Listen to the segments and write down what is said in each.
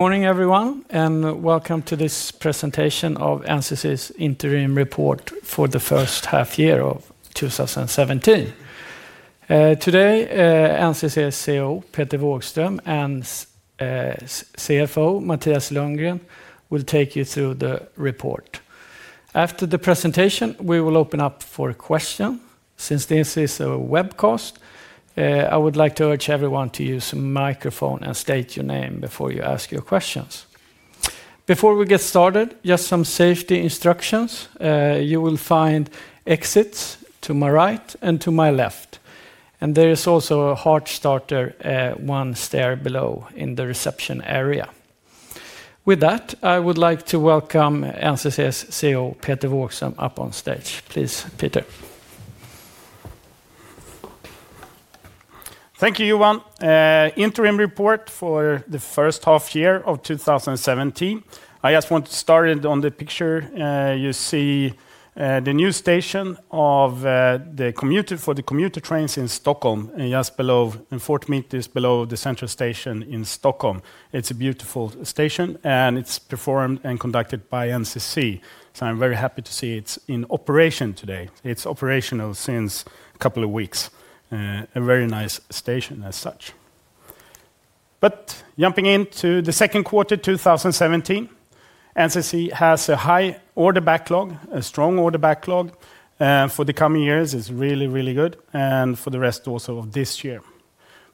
Morning, everyone, and welcome to this presentation of NCC's interim report for the first half year of 2017. Today, NCC's CEO, Peter Wågström, and CFO, Mattias Lundgren, will take you through the report. After the presentation, we will open up for a question. Since this is a webcast, I would like to urge everyone to use microphone and state your name before you ask your questions. Before we get started, just some safety instructions. You will find exits to my right and to my left, and there is also a heart starter, one stair below in the reception area. With that, I would like to welcome NCC's CEO, Peter Wågström, up on stage. Please, Peter. Thank you, Johan. Interim report for the first half year of 2017. I just want to start it on the picture. You see, the new station of the commuter—for the commuter trains in Stockholm, and just below, 40 meters below the central station in Stockholm. It's a beautiful station, and it's performed and conducted by NCC, so I'm very happy to see it's in operation today. It's operational since a couple of weeks. A very nice station as such. But jumping into the second quarter, 2017, NCC has a high order backlog, a strong order backlog, for the coming years. It's really, really good, and for the rest also of this year.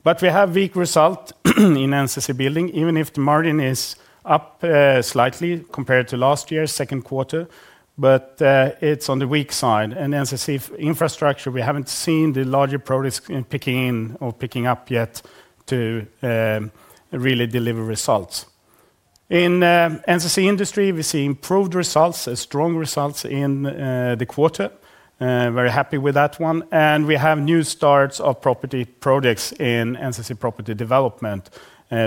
But we have weak result in NCC Building, even if the margin is up, slightly compared to last year's second quarter, but, it's on the weak side. And NCC Infrastructure, we haven't seen the larger progress in picking in or picking up yet to, really deliver results. In, NCC Industry, we see improved results and strong results in, the quarter. Very happy with that one, and we have new starts of property projects in NCC Property Development.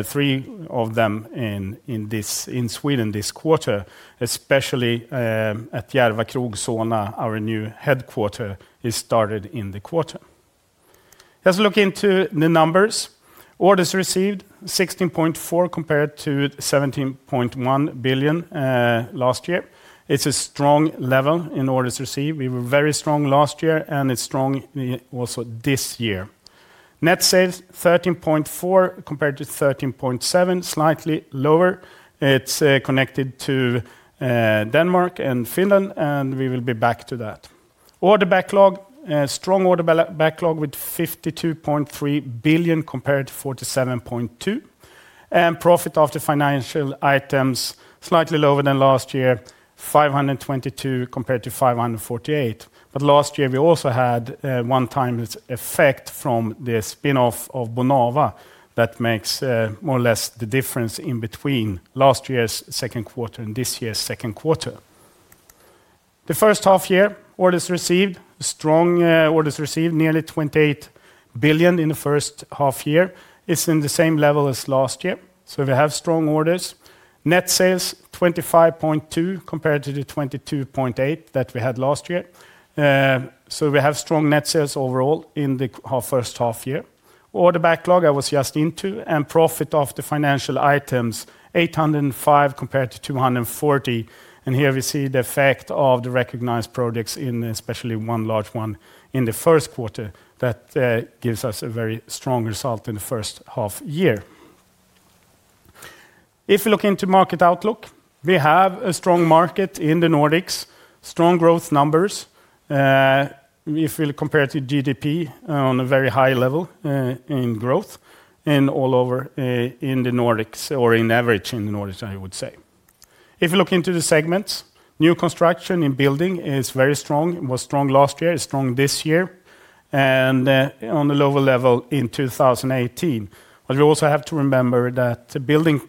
Three of them in, in this, in Sweden this quarter, especially, at Järva Krog, our new headquarters, is started in the quarter. Let's look into the numbers. Orders received, 16.4 billion compared to 17.1 billion last year. It's a strong level in orders received. We were very strong last year, and it's strong also this year. Net sales, 13.4 billion compared to 13.7 billion, slightly lower. It's connected to Denmark and Finland, and we will be back to that. Order backlog, strong order backlog with 52.3 billion compared to 47.2 billion. Profit after financial items, slightly lower than last year, 522 million compared to 548 million. But last year, we also had a one-time effect from the spin-off of Bonava. That makes more or less the difference in between last year's second quarter and this year's second quarter. The first half year, orders received, strong, orders received, nearly 28 billion in the first half year. It's in the same level as last year, so we have strong orders. Net sales, SEK 25.2 billion compared to the 22.8 billion that we had last year. We have strong net sales overall in the quarter, our first half year. Order backlog, I was just into, and profit of the financial items, 805 million compared to 240 million, and here we see the effect of the recognized products in especially one large one in the first quarter that gives us a very strong result in the first half year. If you look into market outlook, we have a strong market in the Nordics, strong growth numbers. If we compare to GDP on a very high level, in growth and all over, in the Nordics or in average in the Nordics, I would say. If you look into the segments, new construction in building is very strong. It was strong last year, is strong this year, and on a lower level in 2018. But we also have to remember that the building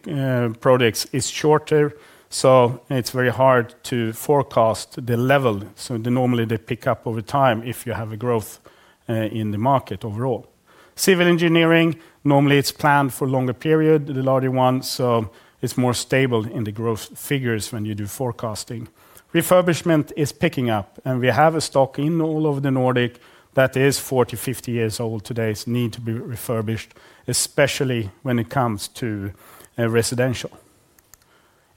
products is shorter, so it's very hard to forecast the level. So they normally pick up over time if you have a growth in the market overall. Civil engineering, normally, it's planned for longer period, the larger ones, so it's more stable in the growth figures when you do forecasting. Refurbishment is picking up, and we have a stock all over the Nordic that is 40, 50 years old today, so need to be refurbished, especially when it comes to residential.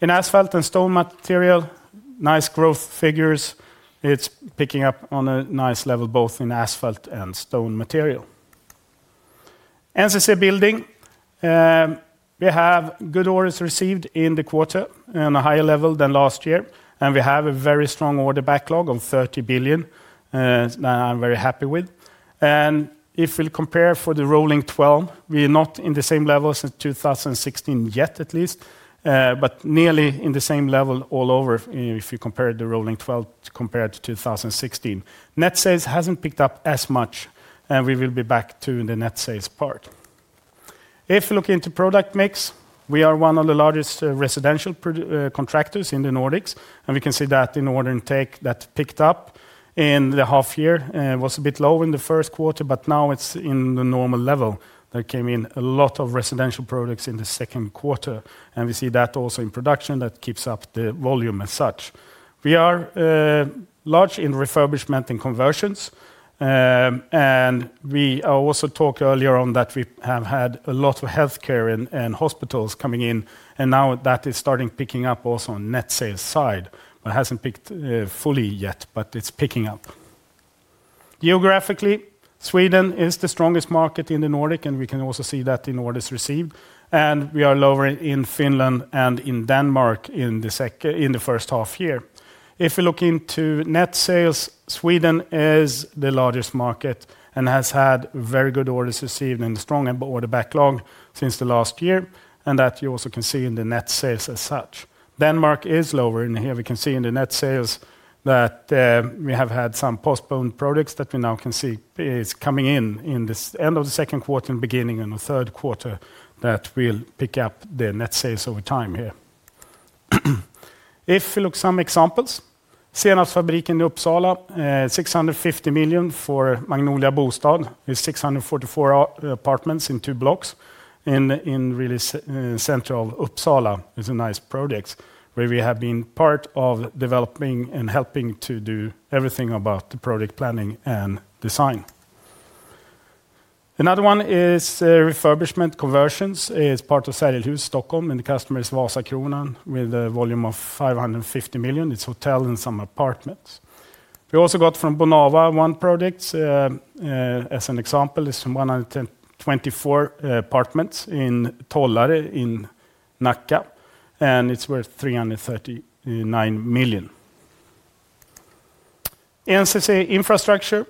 In asphalt and stone material, nice growth figures. It's picking up on a nice level, both in asphalt and stone material. NCC Building, we have good orders received in the quarter on a higher level than last year, and we have a very strong order backlog of 30 billion that I'm very happy with. And if we'll compare for the rolling twelve, we are not in the same level since 2016 yet at least, but nearly in the same level all over if you compare the rolling twelve compared to 2016. Net sales hasn't picked up as much, and we will be back to the net sales part. If you look into product mix, we are one of the largest residential contractors in the Nordics, and we can see that in order intake, that picked up in the half year, was a bit low in the first quarter, but now it's in the normal level. There came in a lot of residential products in the second quarter, and we see that also in production that keeps up the volume as such. We are large in refurbishment and conversions, and we also talked earlier on that we have had a lot of healthcare and hospitals coming in, and now that is starting picking up also on net sales side, but it hasn't picked fully yet, but it's picking up. Geographically, Sweden is the strongest market in the Nordic, and we can also see that in orders received, and we are lower in Finland and in Denmark in the first half year. If we look into net sales, Sweden is the largest market and has had very good orders received and strong order backlog since the last year, and that you also can see in the net sales as such. Denmark is lower, and here we can see in the net sales that, we have had some postponed products that we now can see is coming in, in this end of the second quarter and beginning in the third quarter, that will pick up the net sales over time here. If we look at some examples, Senapsfabriken in Uppsala, 650 million for Magnolia Bostad is 644 apartments in two blocks in, in really central Uppsala. It's a nice project, where we have been part of developing and helping to do everything about the project planning and design. Another one is, refurbishment conversions, is part of Sergelhuset Stockholm, and the customer is Vasakronan, with a volume of 550 million. It's hotel and some apartments. We also got from Bonava, one project, as an example, is from 124 apartments in Tollare, in Nacka, and it's worth 339 million. NCC Infrastructure,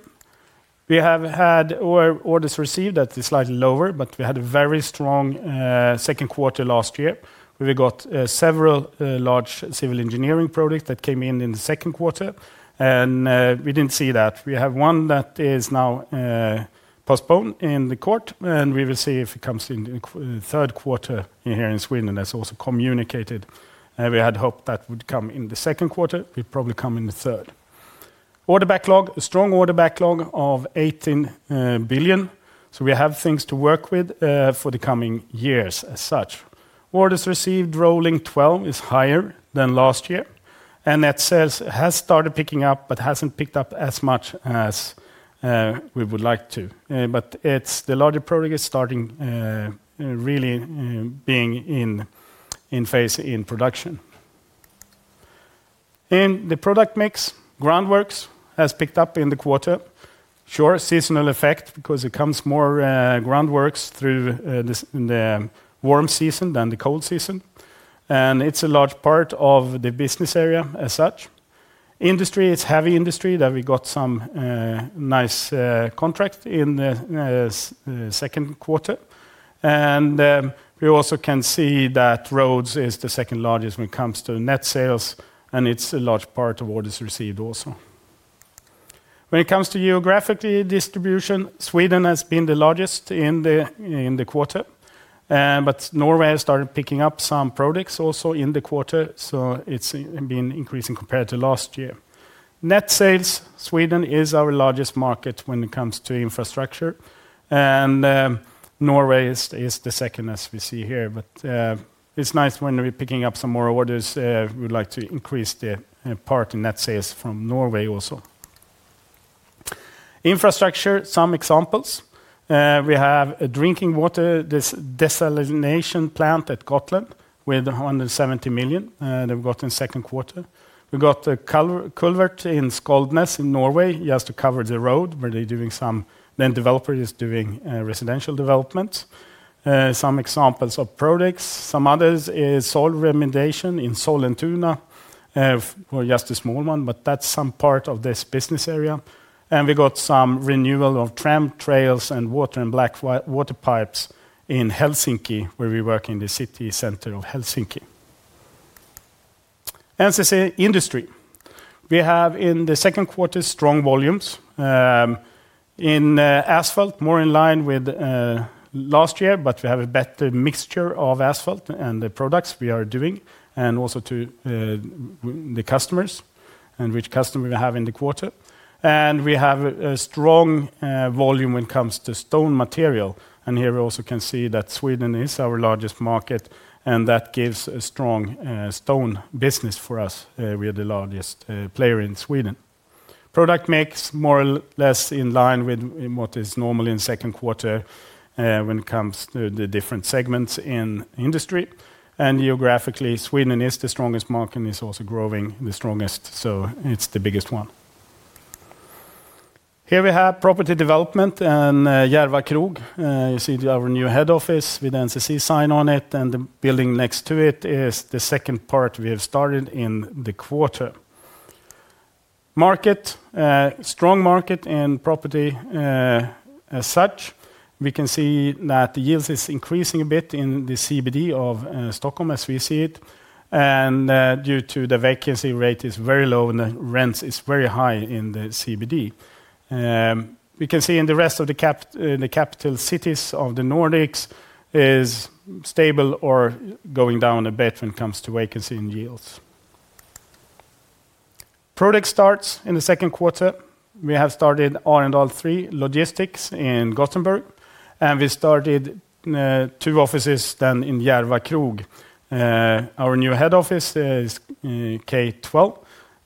we have had our orders received at the slightly lower, but we had a very strong second quarter last year. We got several large civil engineering projects that came in in the second quarter, and we didn't see that. We have one that is now postponed in the court, and we will see if it comes in the third quarter here in Sweden, and that's also communicated. And we had hoped that would come in the second quarter. It probably come in the third. Order backlog. A strong order backlog of 18 billion. So we have things to work with for the coming years as such. Orders received Rolling Twelve is higher than last year, and that sales has started picking up, but hasn't picked up as much as we would like to. But it's the larger project is starting really being in phase in production. In the product mix, groundworks has picked up in the quarter. Sure, seasonal effect because it comes more groundworks through the summer in the warm season than the cold season, and it's a large part of the business area as such. Industry, it's heavy industry that we got some nice contract in the second quarter. And we also can see that roads is the second largest when it comes to net sales, and it's a large part of what is received also. When it comes to geographically distribution, Sweden has been the largest in the quarter, but Norway has started picking up some products also in the quarter, so it's been increasing compared to last year. Net sales, Sweden is our largest market when it comes to infrastructure, and Norway is the second, as we see here. It's nice when we're picking up some more orders, we would like to increase the part in net sales from Norway also. Infrastructure, some examples. We have a drinking water, this desalination plant at Gotland, with 170 million that we got in second quarter. We got a culvert in Skarvnes in Norway. He has to cover the road, where they doing some... Then developer is doing residential development. Some examples of products, some others is soil remediation in Sollentuna. Well, just a small one, but that's some part of this business area. And we got some renewal of tram rails and water and black water pipes in Helsinki, where we work in the city center of Helsinki. NCC Industry. We have in the second quarter, strong volumes, in asphalt, more in line with last year, but we have a better mixture of asphalt and the products we are doing, and also to the customers and which customer we have in the quarter. And we have a strong volume when it comes to stone material, and here we also can see that Sweden is our largest market, and that gives a strong stone business for us. We are the largest player in Sweden. Product mix, more or less in line with what is normal in second quarter, when it comes to the different segments in industry. Geographically, Sweden is the strongest market, and it's also growing the strongest, so it's the biggest one. Here we have property development and, Järva Krog. You see our new head office with NCC sign on it, and the building next to it is the second part we have started in the quarter. Market, strong market in property, as such. We can see that the yields is increasing a bit in the CBD of, Stockholm, as we see it, and, due to the vacancy rate is very low and the rents is very high in the CBD. We can see in the capital cities of the Nordics is stable or going down a bit when it comes to vacancy and yields. Project starts in the second quarter. We have started Arendal Three logistics in Gothenburg, and we started two offices then in Järva Krog. Our new head office is K12,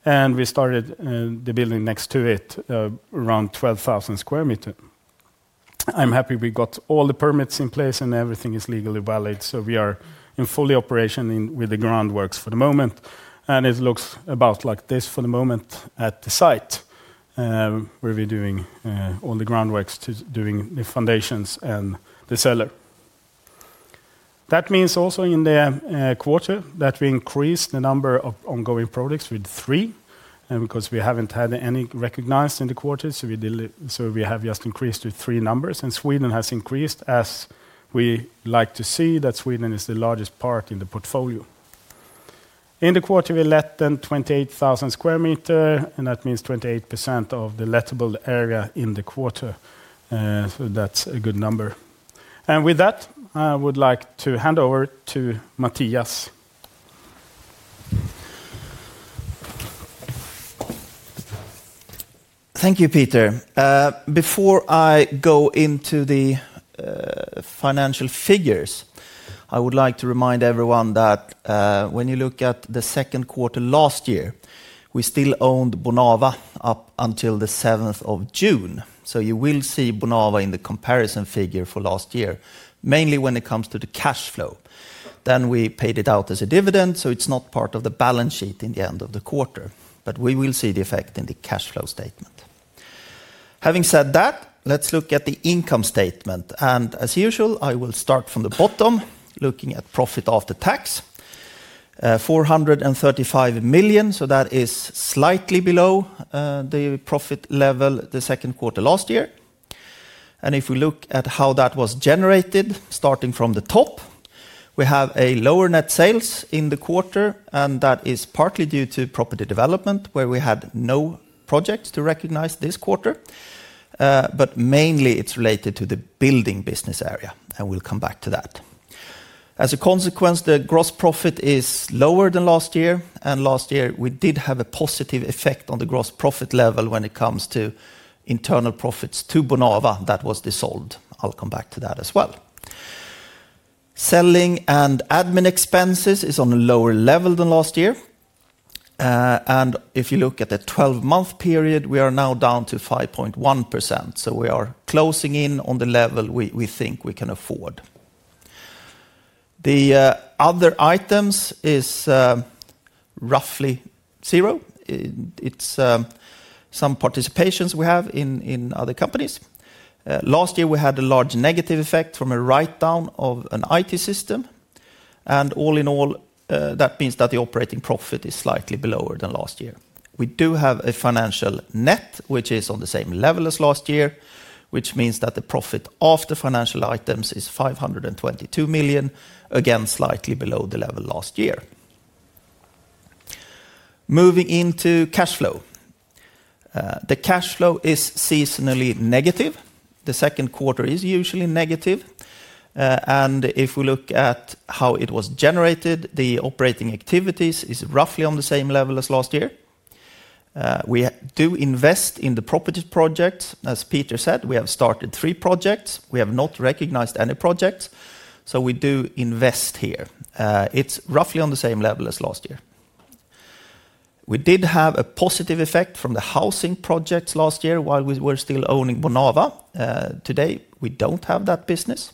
and we started the building next to it around 12,000 square meters. I'm happy we got all the permits in place, and everything is legally valid, so we are in full operation with the groundworks for the moment, and it looks about like this for the moment at the site where we're doing all the groundworks to doing the foundations and the cellar. That means also in the quarter that we increased the number of ongoing products with three, and because we haven't had any recognized in the quarter, so we have just increased to three numbers, and Sweden has increased as we like to see that Sweden is the largest part in the portfolio. In the quarter, we let then 28,000 square meters, and that means 28% of the lettable area in the quarter. So that's a good number. And with that, I would like to hand over to Mattias. Thank you, Peter. Before I go into the financial figures, I would like to remind everyone that when you look at the second quarter last year, we still owned Bonava up until the seventh of June. So you will see Bonava in the comparison figure for last year, mainly when it comes to the cash flow. Then we paid it out as a dividend, so it's not part of the balance sheet in the end of the quarter, but we will see the effect in the cash flow statement. Having said that, let's look at the income statement, and as usual, I will start from the bottom, looking at profit after tax. Four hundred and thirty-five million, so that is slightly below the profit level the second quarter last year. If we look at how that was generated, starting from the top, we have a lower net sales in the quarter, and that is partly due to property development, where we had no projects to recognize this quarter. But mainly it's related to the building business area, and we'll come back to that. As a consequence, the gross profit is lower than last year, and last year, we did have a positive effect on the gross profit level when it comes to internal profits to Bonava. That was dissolved. I'll come back to that as well. Selling and admin expenses is on a lower level than last year. And if you look at the twelve-month period, we are now down to 5.1%, so we are closing in on the level we, we think we can afford. The other items is roughly zero. It's some participations we have in other companies. Last year, we had a large negative effect from a write-down of an IT system, and all in all, that means that the operating profit is slightly below than last year. We do have a financial net, which is on the same level as last year, which means that the profit of the financial items is 522 million, again, slightly below the level last year. Moving into cash flow. The cash flow is seasonally negative. The second quarter is usually negative, and if we look at how it was generated, the operating activities is roughly on the same level as last year. We do invest in the property projects. As Peter said, we have started three projects. We have not recognized any projects, so we do invest here. It's roughly on the same level as last year. We did have a positive effect from the housing projects last year while we were still owning Bonava. Today, we don't have that business.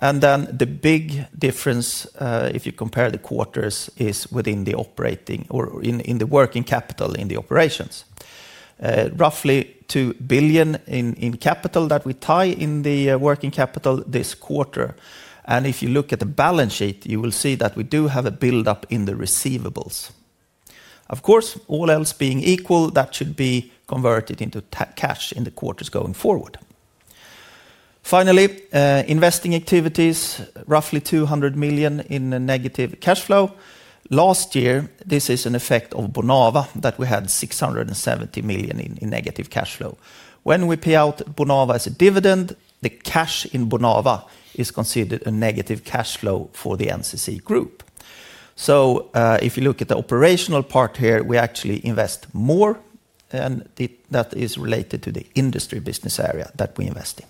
The big difference, if you compare the quarters, is within the operating or in the working capital in the operations. Roughly 2 billion in capital that we tie in the working capital this quarter, and if you look at the balance sheet, you will see that we do have a build-up in the receivables. Of course, all else being equal, that should be converted into cash in the quarters going forward. Finally, investing activities, roughly 200 million in a negative cash flow. Last year, this is an effect of Bonava, that we had 670 million in negative cash flow. When we pay out Bonava as a dividend, the cash in Bonava is considered a negative cash flow for the NCC group. So, if you look at the operational part here, we actually invest more, and that is related to the industry business area that we invest in.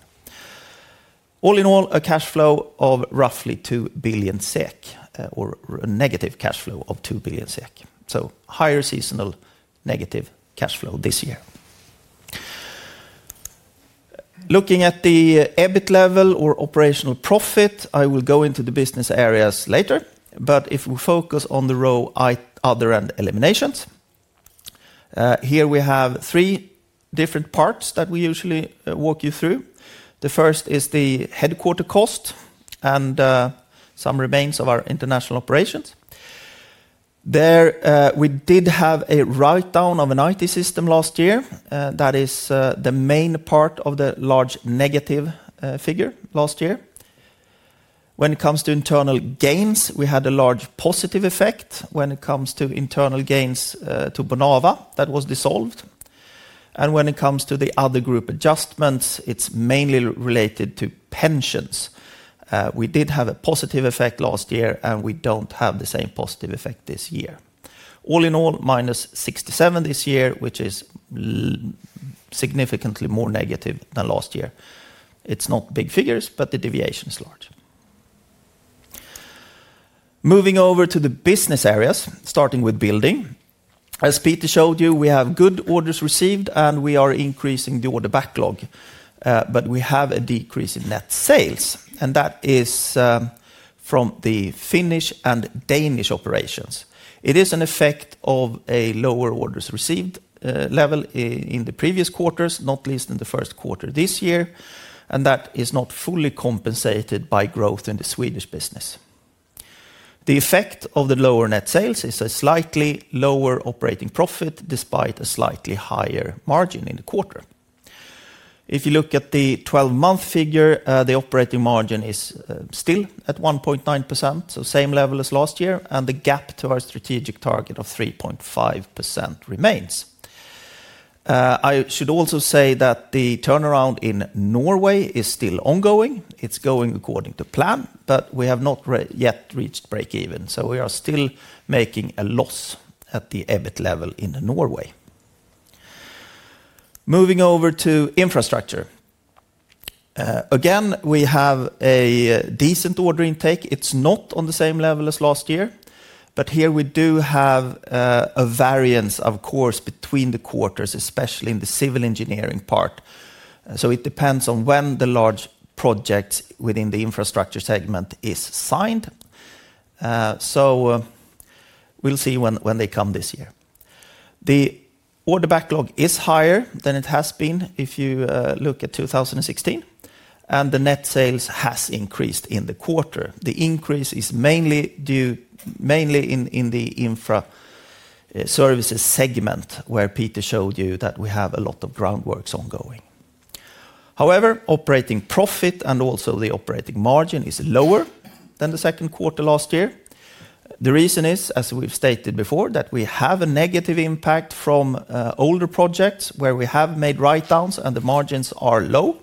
All in all, a cash flow of roughly 2 billion SEK, or a negative cash flow of 2 billion SEK. So higher seasonal negative cash flow this year. Looking at the EBIT level or operational profit, I will go into the business areas later, but if we focus on the row I- other and eliminations, here we have three different parts that we usually walk you through. The first is the headquarters cost and some remains of our international operations. There, we did have a write-down of an IT system last year. That is the main part of the large negative figure last year. When it comes to internal gains, we had a large positive effect. When it comes to internal gains to Bonava, that was dissolved. When it comes to the other group adjustments, it's mainly related to pensions. We did have a positive effect last year, and we don't have the same positive effect this year. All in all, minus 67 this year, which is significantly more negative than last year. It's not big figures, but the deviation is large. Moving over to the business areas, starting with building. As Peter showed you, we have good orders received, and we are increasing the order backlog, we have a decrease in net sales, and that is from the Finnish and Danish operations. It is an effect of a lower orders received level in the previous quarters, not least in the first quarter this year, and that is not fully compensated by growth in the Swedish business. The effect of the lower net sales is a slightly lower operating profit, despite a slightly higher margin in the quarter. If you look at the 12-month figure, the operating margin is still at 1.9%, so same level as last year, and the gap to our strategic target of 3.5% remains. I should also say that the turnaround in Norway is still ongoing. It's going according to plan, but we have not yet reached breakeven, so we are still making a loss at the EBIT level in Norway. Moving over to infrastructure. Again, we have a decent order intake. It's not on the same level as last year, but here we do have a variance, of course, between the quarters, especially in the civil engineering part. So it depends on when the large project within the infrastructure segment is signed. So we'll see when, when they come this year. The order backlog is higher than it has been if you look at 2016, and the net sales has increased in the quarter. The increase is mainly in the infra services segment, where Peter showed you that we have a lot of groundworks ongoing. However, operating profit and also the operating margin is lower than the second quarter last year. The reason is, as we've stated before, that we have a negative impact from older projects where we have made writedowns and the margins are low,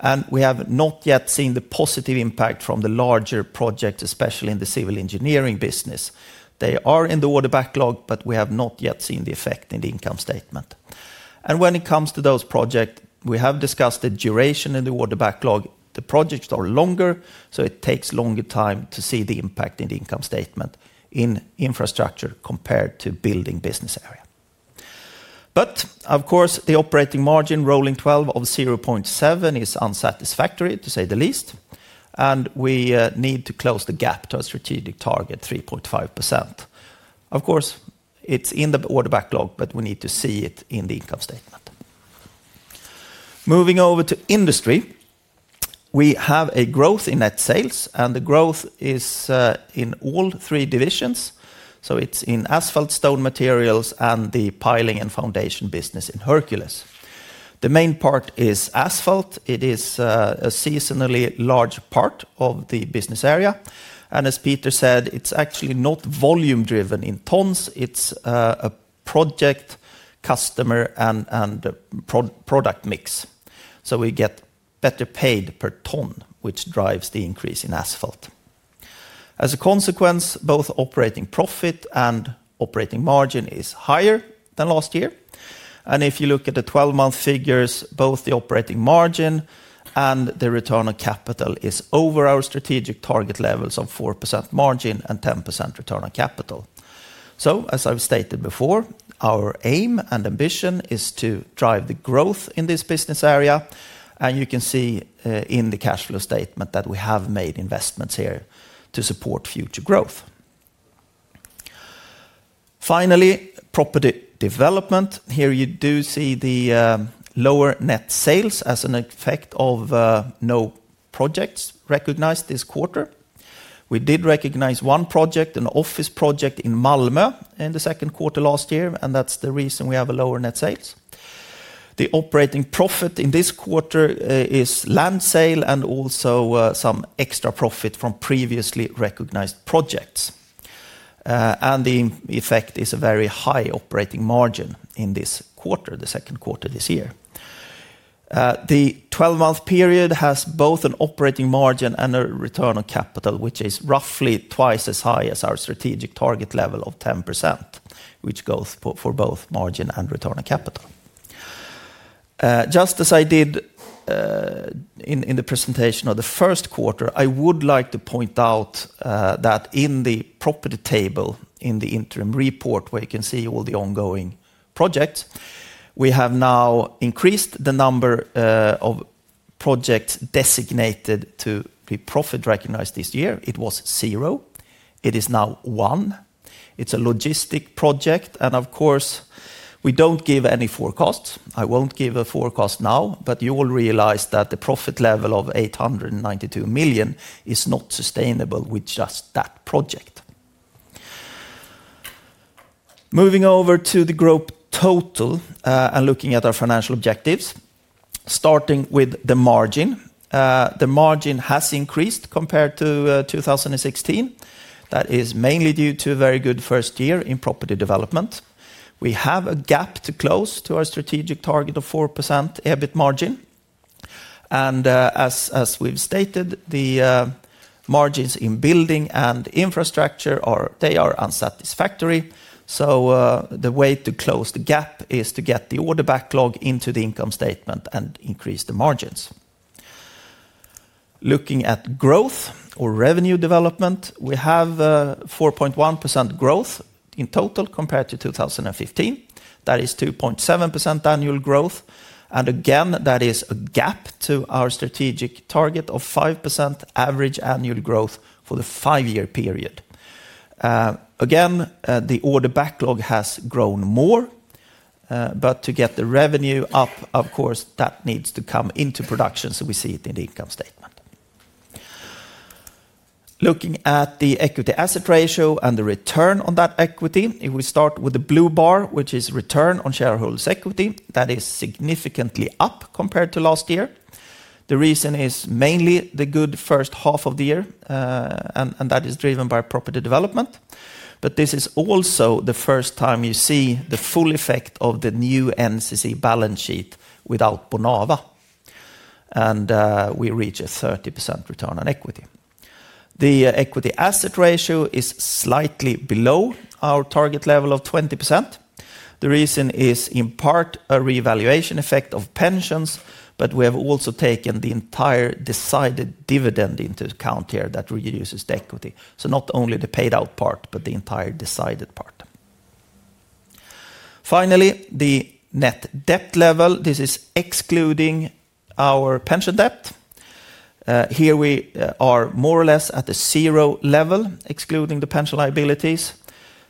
and we have not yet seen the positive impact from the larger projects, especially in the civil engineering business. They are in the Order Backlog, but we have not yet seen the effect in the income statement. And when it comes to those project, we have discussed the duration in the Order Backlog. The projects are longer, so it takes longer time to see the impact in the income statement in infrastructure compared to building business area. But of course, the operating margin, Rolling Twelve of 0.7, is unsatisfactory, to say the least, and we need to close the gap to a strategic target, 3.5%. Of course, it's in the order backlog, but we need to see it in the income statement. Moving over to industry, we have a growth in net sales, and the growth is in all three divisions. So it's in asphalt, stone materials, and the piling and foundation business in Hercules. The main part is asphalt. It is a seasonally large part of the business area. And as Peter said, it's actually not volume-driven in tons. It's a project, customer, and product mix. So we get better paid per ton, which drives the increase in asphalt. As a consequence, both operating profit and operating margin is higher than last year. And if you look at the 12-month figures, both the operating margin and the return on capital is over our strategic target levels of 4% margin and 10% return on capital. So as I've stated before, our aim and ambition is to drive the growth in this business area, and you can see, in the cash flow statement that we have made investments here to support future growth. Finally, property development. Here, you do see the lower net sales as an effect of, no projects recognized this quarter. We did recognize one project, an office project in Malmö, in the second quarter last year, and that's the reason we have a lower net sales. The operating profit in this quarter, is land sale and also, some extra profit from previously recognized projects. And the effect is a very high operating margin in this quarter, the second quarter this year. The twelve-month period has both an operating margin and a return on capital, which is roughly twice as high as our strategic target level of 10%, which goes for both margin and return on capital. Just as I did in the presentation of the first quarter, I would like to point out that in the property table, in the interim report, where you can see all the ongoing projects, we have now increased the number of projects designated to be profit-recognized this year. It was zero. It is now one. It's a logistic project, and of course, we don't give any forecast. I won't give a forecast now, but you will realize that the profit level of 892 million is not sustainable with just that project. Moving over to the group total, and looking at our financial objectives, starting with the margin. The margin has increased compared to 2016. That is mainly due to a very good first year in property development. We have a gap to close to our strategic target of 4% EBIT margin. And, as we've stated, the margins in building and infrastructure are unsatisfactory. So, the way to close the gap is to get the order backlog into the income statement and increase the margins. Looking at growth or revenue development, we have 4.1% growth in total compared to 2015. That is 2.7% annual growth, and again, that is a gap to our strategic target of 5% average annual growth for the five-year period. Again, the order backlog has grown more, but to get the revenue up, of course, that needs to come into production, so we see it in the income statement. Looking at the equity asset ratio and the return on that equity, if we start with the blue bar, which is return on shareholders' equity, that is significantly up compared to last year. The reason is mainly the good first half of the year, and that is driven by property development. But this is also the first time you see the full effect of the new NCC balance sheet without Bonava, and we reach a 30% return on equity. The equity asset ratio is slightly below our target level of 20%. The reason is, in part, a revaluation effect of pensions, but we have also taken the entire decided dividend into account here that reduces the equity. So not only the paid out part, but the entire decided part. Finally, the net debt level, this is excluding our pension debt. Here we are more or less at the zero level, excluding the pension liabilities.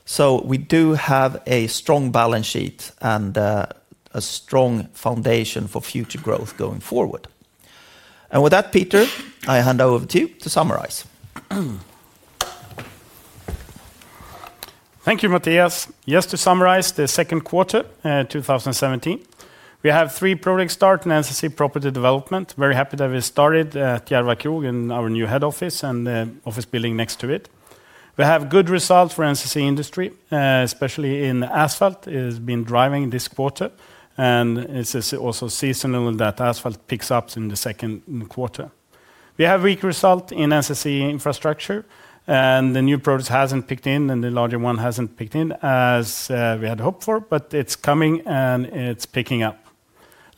So we do have a strong balance sheet and a strong foundation for future growth going forward. And with that, Peter, I hand over to you to summarize. Thank you, Mattias. Just to summarize the second quarter, 2017. We have three project start in NCC Property Development. Very happy that we started at Järva Krog in our new head office and the office building next to it. We have good results for NCC Industry, especially in asphalt, it has been driving this quarter, and this is also seasonal that asphalt picks up in the second quarter. We have weak result in NCC Infrastructure, and the new project hasn't kicked in, and the larger one hasn't kicked in as, we had hoped for, but it's coming, and it's picking up.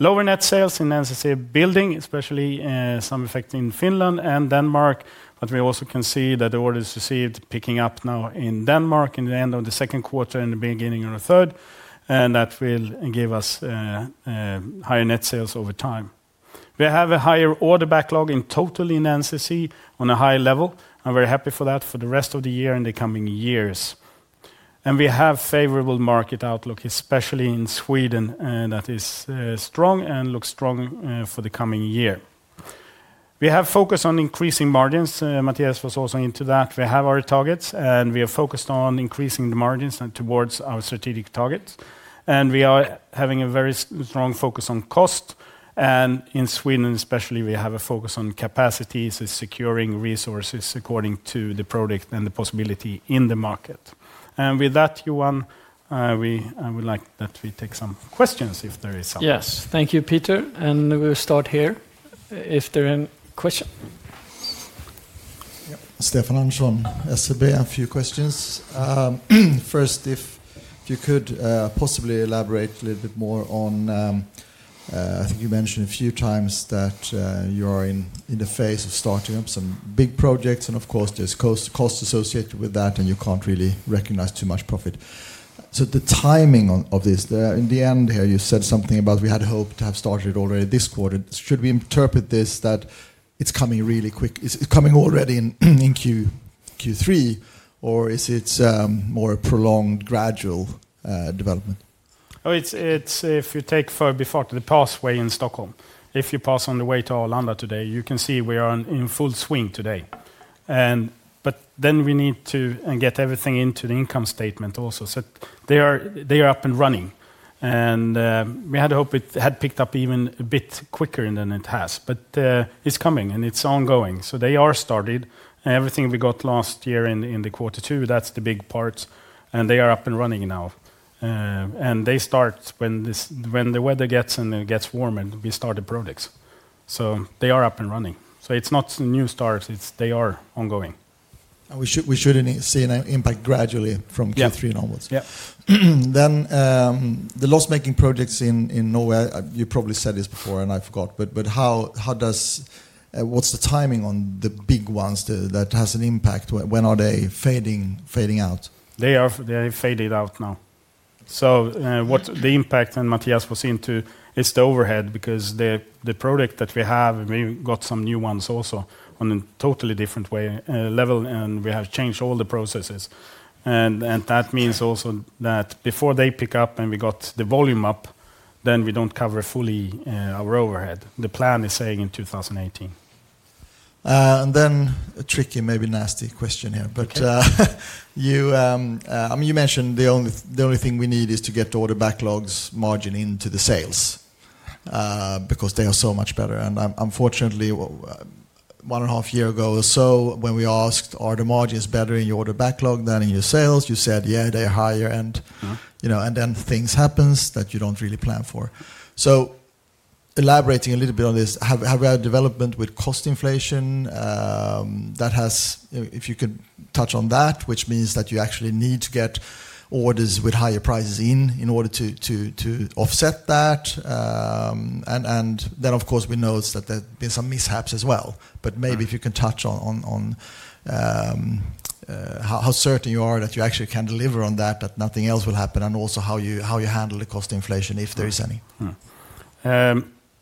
Lower net sales in NCC Building, especially, some effect in Finland and Denmark, but we also can see that the orders received picking up now in Denmark in the end of the second quarter and the beginning of the third, and that will give us, higher net sales over time. We have a higher order backlog in total in NCC on a high level, and we're happy for that for the rest of the year and the coming years. We have favorable market outlook, especially in Sweden, that is, strong and looks strong, for the coming year. We have focused on increasing margins, Mattias was also into that. We have our targets, and we are focused on increasing the margins and towards our strategic targets. We are having a very strong focus on cost, and in Sweden especially, we have a focus on capacities and securing resources according to the project and the possibility in the market. With that, Johan, I would like that we take some questions, if there is some. Yes. Thank you, Peter, and we will start here if there are any questions? Yeah, Stefan Andersson, SEB. A few questions. First, if you could possibly elaborate a little bit more on, I think you mentioned a few times that you are in the phase of starting up some big projects, and of course, there's cost associated with that, and you can't really recognize too much profit. So the timing of this, in the end here, you said something about we had hoped to have started already this quarter. Should we interpret this that it's coming really quick? Is it coming already in Q3, or is it more a prolonged, gradual development? Oh, it's, it's, if you take for before to the pathway in Stockholm, if you pass on the way to Arlanda today, you can see we are in, in full swing today. We need to get everything into the income statement also. They are, they are up and running, and we had hoped it had picked up even a bit quicker than it has. It's coming, and it's ongoing. They are started, and everything we got last year in, in the quarter two, that's the big part, and they are up and running now. They start when this—when the weather gets and it gets warmer, we start the projects. They are up and running. It's not new starts, it's they are ongoing. And we should see an impact gradually from- Yeah... Q3 onwards? Yeah. Then, the loss-making projects in Norway, you probably said this before, and I forgot, but how does... What's the timing on the big ones that has an impact? When are they fading out? They are, they are faded out now. So, what the impact, and Mattias was into, is the overhead because the, the product that we have, we got some new ones also on a totally different way, level, and we have changed all the processes. And, and that means also that before they pick up and we got the volume up, then we don't cover fully, our overhead. The plan is saying in 2018. ... and then a tricky, maybe nasty question here. But, you, I mean, you mentioned the only th- the only thing we need is to get order backlog's margin into the sales, because they are so much better. And unfortunately, one and a half year ago or so, when we asked, are the margins better in your order backlog than in your sales? You said, "Yeah, they're higher." And- Mm. You know, and then things happens that you don't really plan for. So elaborating a little bit on this, have you had development with cost inflation, that has... If you could touch on that, which means that you actually need to get orders with higher prices in order to offset that. And then, of course, we know is that there have been some mishaps as well. But maybe- Mm... if you can touch on how certain you are that you actually can deliver on that, that nothing else will happen, and also how you handle the cost inflation, if there is any.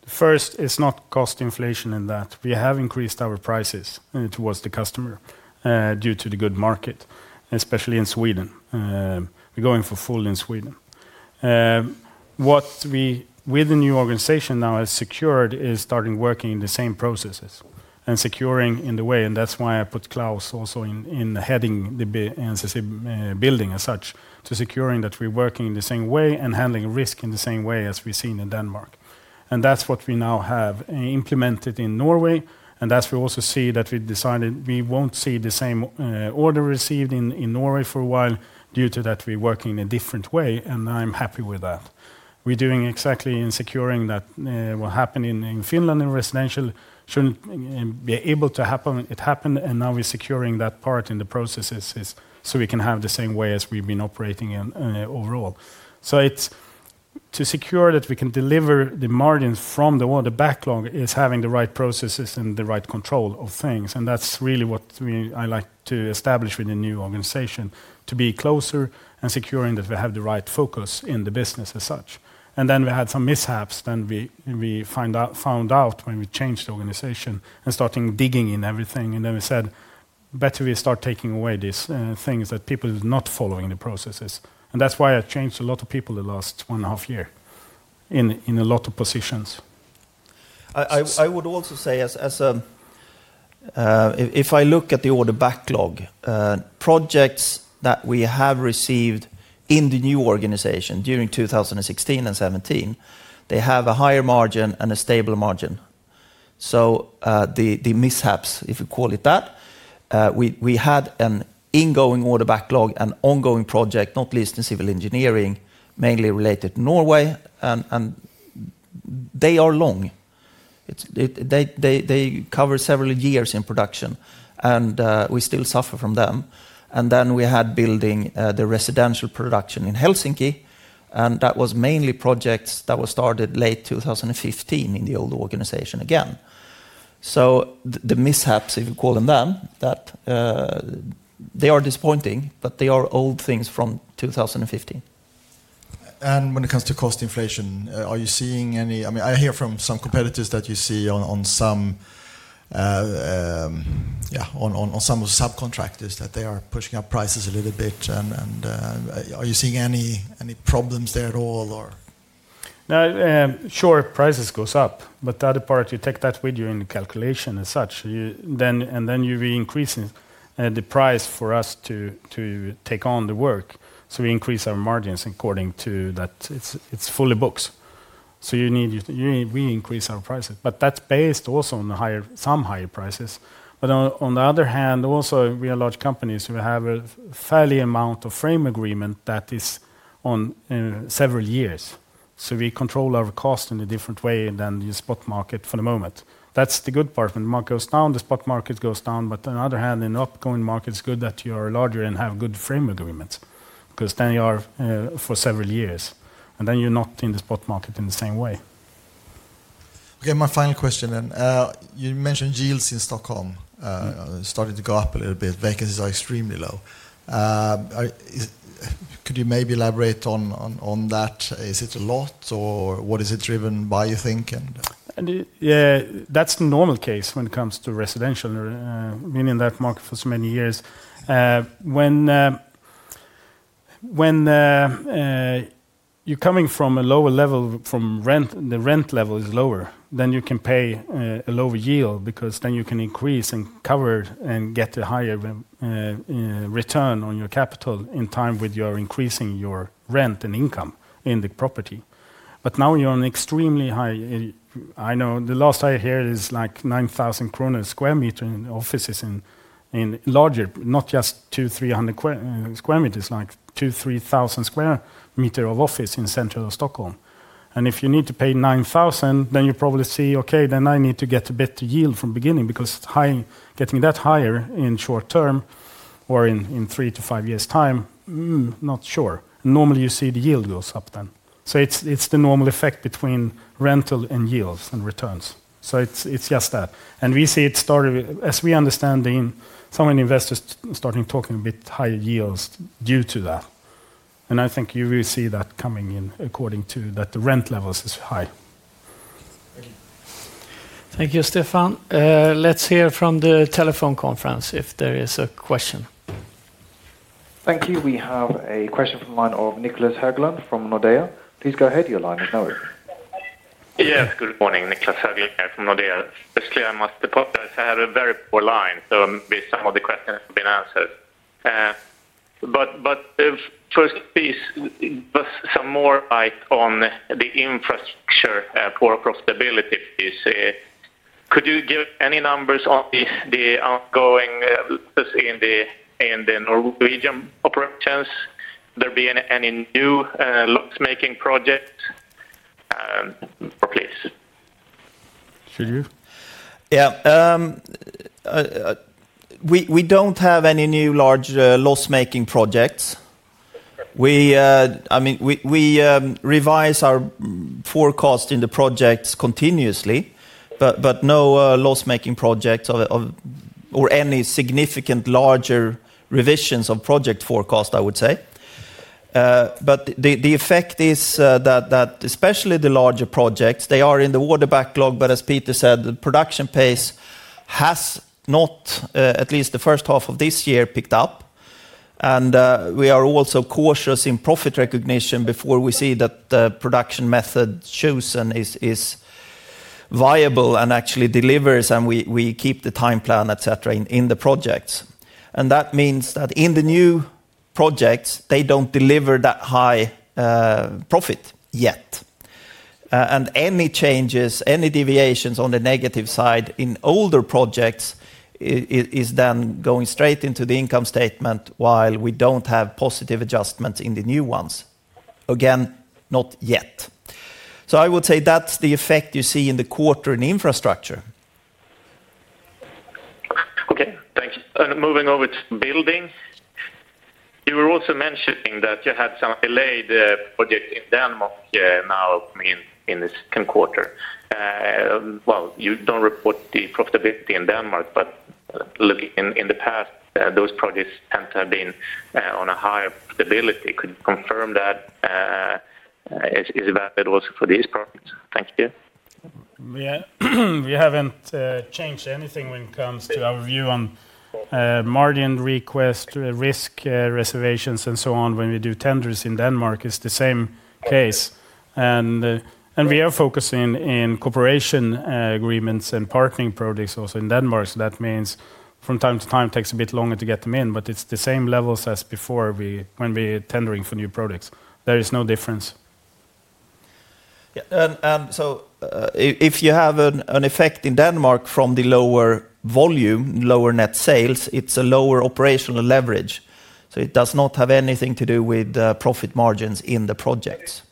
First, it's not cost inflation in that. We have increased our prices towards the customer, due to the good market, especially in Sweden. We're going for full in Sweden. What we, with the new organization now has secured is starting working in the same processes and securing in the way, and that's why I put Klaus also in, in heading the Building and Sweden building as such, to securing that we're working in the same way and handling risk in the same way as we've seen in Denmark. And that's what we now have implemented in Norway, and as we also see that we decided we won't see the same, order received in, in Norway for a while due to that we're working in a different way, and I'm happy with that. We're doing exactly in securing that what happened in Finland in residential shouldn't be able to happen. It happened, and now we're securing that part in the processes, so we can have the same way as we've been operating in overall. So it's to secure that we can deliver the margins from the order backlog is having the right processes and the right control of things, and that's really what we, I like to establish with the new organization, to be closer and securing that we have the right focus in the business as such. And then we had some mishaps, then we found out when we changed the organization and starting digging in everything, and then we said, "Better we start taking away these things that people are not following the processes." And that's why I changed a lot of people the last one and a half year in a lot of positions. I would also say, if I look at the order backlog, projects that we have received in the new organization during 2016 and 2017, they have a higher margin and a stable margin. So, the mishaps, if you call it that, we had an ingoing order backlog, an ongoing project, not least in civil engineering, mainly related to Norway, and they are long. They cover several years in production, and we still suffer from them. And then we had building, the residential production in Helsinki, and that was mainly projects that were started late 2015 in the old organization again. So the mishaps, if you call them that, they are disappointing, but they are old things from 2015. When it comes to cost inflation, I mean, I hear from some competitors that you see on some, yeah, on some subcontractors, that they are pushing up prices a little bit. And, are you seeing any, any problems there at all, or? No, sure, prices goes up, but the other part, you take that with you in the calculation as such. You then, and then you re-increase the price for us to take on the work, so we increase our margins according to that. It's fully booked. So we increase our prices, but that's based also on the higher, some higher prices. But on the other hand, also, we are large companies, we have a fairly amount of frame agreement that is on several years. So we control our cost in a different way than the spot market for the moment. That's the good part. When the market goes down, the spot market goes down, but on the other hand, in outgoing market, it's good that you are larger and have good frame agreements, because then you are, for several years, and then you're not in the spot market in the same way. Okay, my final question then. You mentioned yields in Stockholm, Mm... started to go up a little bit. Vacancies are extremely low. Could you maybe elaborate on, on, on that? Is it a lot, or what is it driven by, you think, and- Yeah, that's the normal case when it comes to residential, being in that market for so many years. When you're coming from a lower level, from rent, the rent level is lower, then you can pay a lower yield, because then you can increase and cover and get a higher return on your capital in time with your increasing your rent and income in the property. But now you're on extremely high. I know the last I hear is, like, 9,000 kronor square meter in offices in larger, not just 200-300 square meters, like 2,000-3,000 square meter of office in central Stockholm. If you need to pay 9,000, then you probably see, okay, then I need to get a better yield from beginning, because it's high—getting that higher in short term or in three to five years' time, mm, not sure. Normally, you see the yield goes up then. It's the normal effect between rental and yields and returns. It's just that. We see it started—as we understand, some investors starting talking a bit higher yields due to that. I think you will see that coming in according to that, the rent levels is high. Thank you. Thank you, Stefan. Let's hear from the telephone conference if there is a question.... Thank you. We have a question from the line of Niclas Höglund from Nordea. Please go ahead, your line is now open. Yes, good morning, Niclas Höglund here from Nordea. Firstly, I must apologize, I have a very poor line, so maybe some of the questions have been answered. But first please, just some more light on the infrastructure for profitability, please. Could you give any numbers on the ongoing in the Norwegian operations? Will there be any new loss-making project, please? Should you? Yeah, we don't have any new large loss-making projects. We, I mean, we revise our forecast in the projects continuously, but no, loss-making projects or any significant larger revisions of project forecast, I would say. But the effect is that especially the larger projects, they are in the order backlog, but as Peter said, the production pace has not, at least the first half of this year, picked up. And we are also cautious in profit recognition before we see that the production method chosen is viable and actually delivers, and we keep the time plan, et cetera, in the projects. And that means that in the new projects, they don't deliver that high profit yet. And any changes, any deviations on the negative side in older projects, is then going straight into the income statement while we don't have positive adjustments in the new ones. Again, not yet. So I would say that's the effect you see in the quarter in infrastructure. Okay, thank you. And moving on with building, you were also mentioning that you had some delayed project in Denmark now coming in, in the second quarter. Well, you don't report the profitability in Denmark, but looking in the past, those projects tend to have been on a higher profitability. Could you confirm that is that also for these projects? Thank you. Yeah. We haven't changed anything when it comes to our view on margin request, risk, reservations, and so on. When we do tenders in Denmark, it's the same case. And, and we are focusing in cooperation, agreements and partnering products also in Denmark. So that means from time to time, it takes a bit longer to get them in, but it's the same levels as before, when we're tendering for new products. There is no difference. Yeah, and, and so, if you have an effect in Denmark from the lower volume, lower net sales, it's a lower operational leverage, so it does not have anything to do with the profit margins in the projects.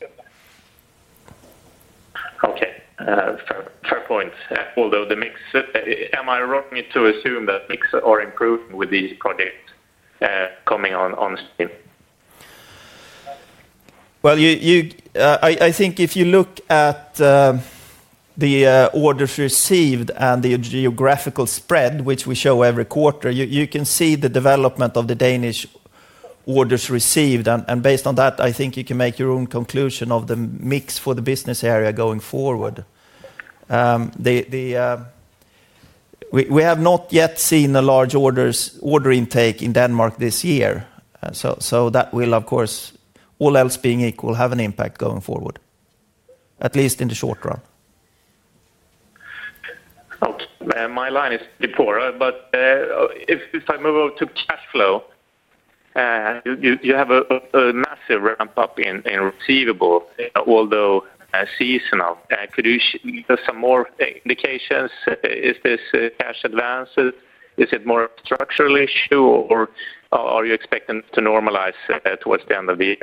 Okay, fair, fair point. Although the mix, am I wrong to assume that mix are improving with these projects coming on stream? Well, I think if you look at the orders received and the geographical spread, which we show every quarter, you can see the development of the Danish orders received. And based on that, I think you can make your own conclusion of the mix for the business area going forward. We have not yet seen the large orders, order intake in Denmark this year. So that will, of course, all else being equal, have an impact going forward, at least in the short run. Okay. My line is pretty poor, but if I move on to cash flow, you have a massive ramp up in receivables, although seasonal. Could you share some more indications? Is this cash advances? Is it more structural issue, or are you expecting to normalize towards the end of the year?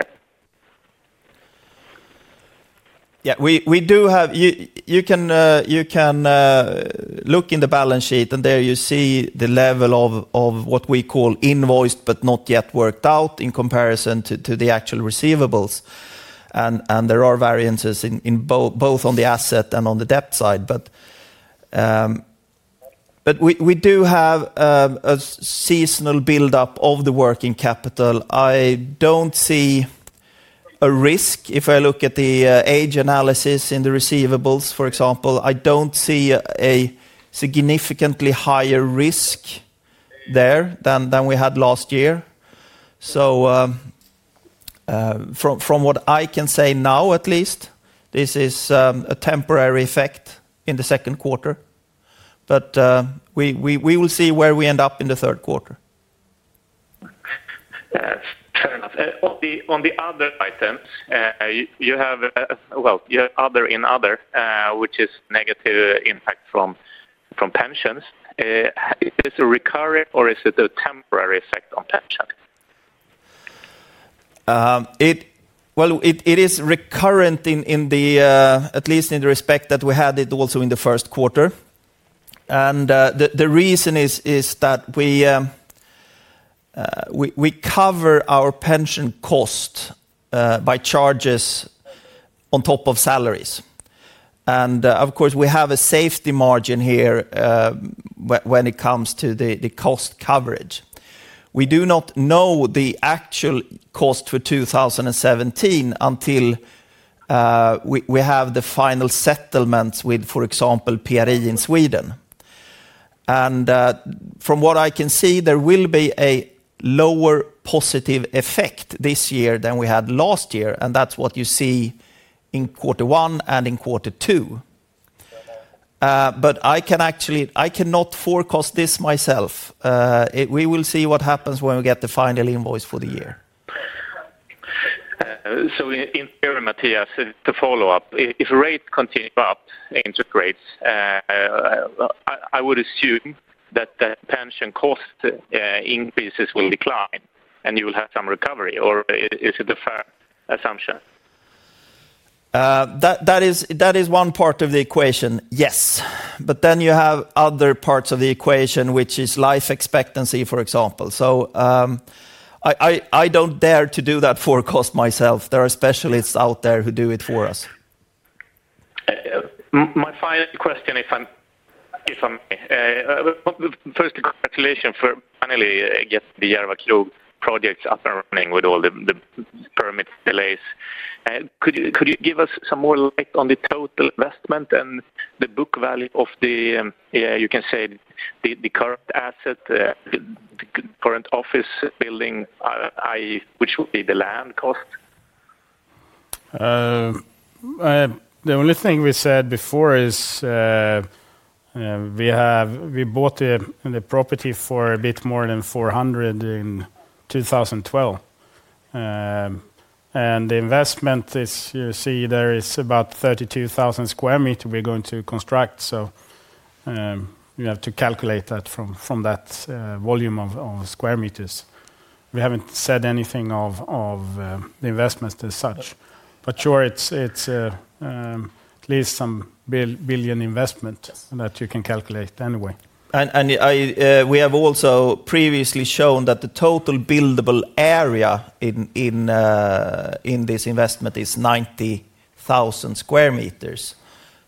Yeah, we do have... You can look in the balance sheet, and there you see the level of what we call invoiced, but not yet worked out in comparison to the actual receivables. And there are variances in both on the asset and on the debt side. But we do have a seasonal buildup of the working capital. I don't see a risk. If I look at the age analysis in the receivables, for example, I don't see a significantly higher risk there than we had last year. So, from what I can say now, at least, this is a temporary effect in the second quarter, but we will see where we end up in the third quarter. Fair enough. On the other item, you have, well, you have other and other, which is negative impact from pensions. Is this a recurrent or is it a temporary effect on pension? Well, it is recurrent in at least in the respect that we had it also in the first quarter. And the reason is that we cover our pension cost by charges on top of salaries. And, of course, we have a safety margin here when it comes to the cost coverage. We do not know the actual cost for 2017 until we have the final settlements with, for example, PRI in Sweden. And from what I can see, there will be a lower positive effect this year than we had last year, and that's what you see in quarter one and in quarter two. But I can actually. I cannot forecast this myself. We will see what happens when we get the final invoice for the year. So, in Mattias, to follow up, if rates continue up interest rates, I would assume that the pension cost increases will decline, and you will have some recovery, or is it a fair assumption? That is one part of the equation, yes. But then you have other parts of the equation, which is life expectancy, for example. So, I don't dare to do that forecast myself. There are specialists out there who do it for us. My final question, if I may. First, congratulations for finally, I guess, the Järva Krog projects up and running with all the permit delays. Could you give us some more light on the total investment and the book value of the current asset, the current office building, i.e., which would be the land cost? The only thing we said before is, we bought the property for a bit more than 400 million in 2012. And the investment is, you see there is about 32,000 square meter we're going to construct. So, you have to calculate that from, from that, volume of, of square meters. We haven't said anything of, of, the investments as such. But sure, it's, it's, at least some billion investment that you can calculate anyway. We have also previously shown that the total buildable area in this investment is 90,000 square meters.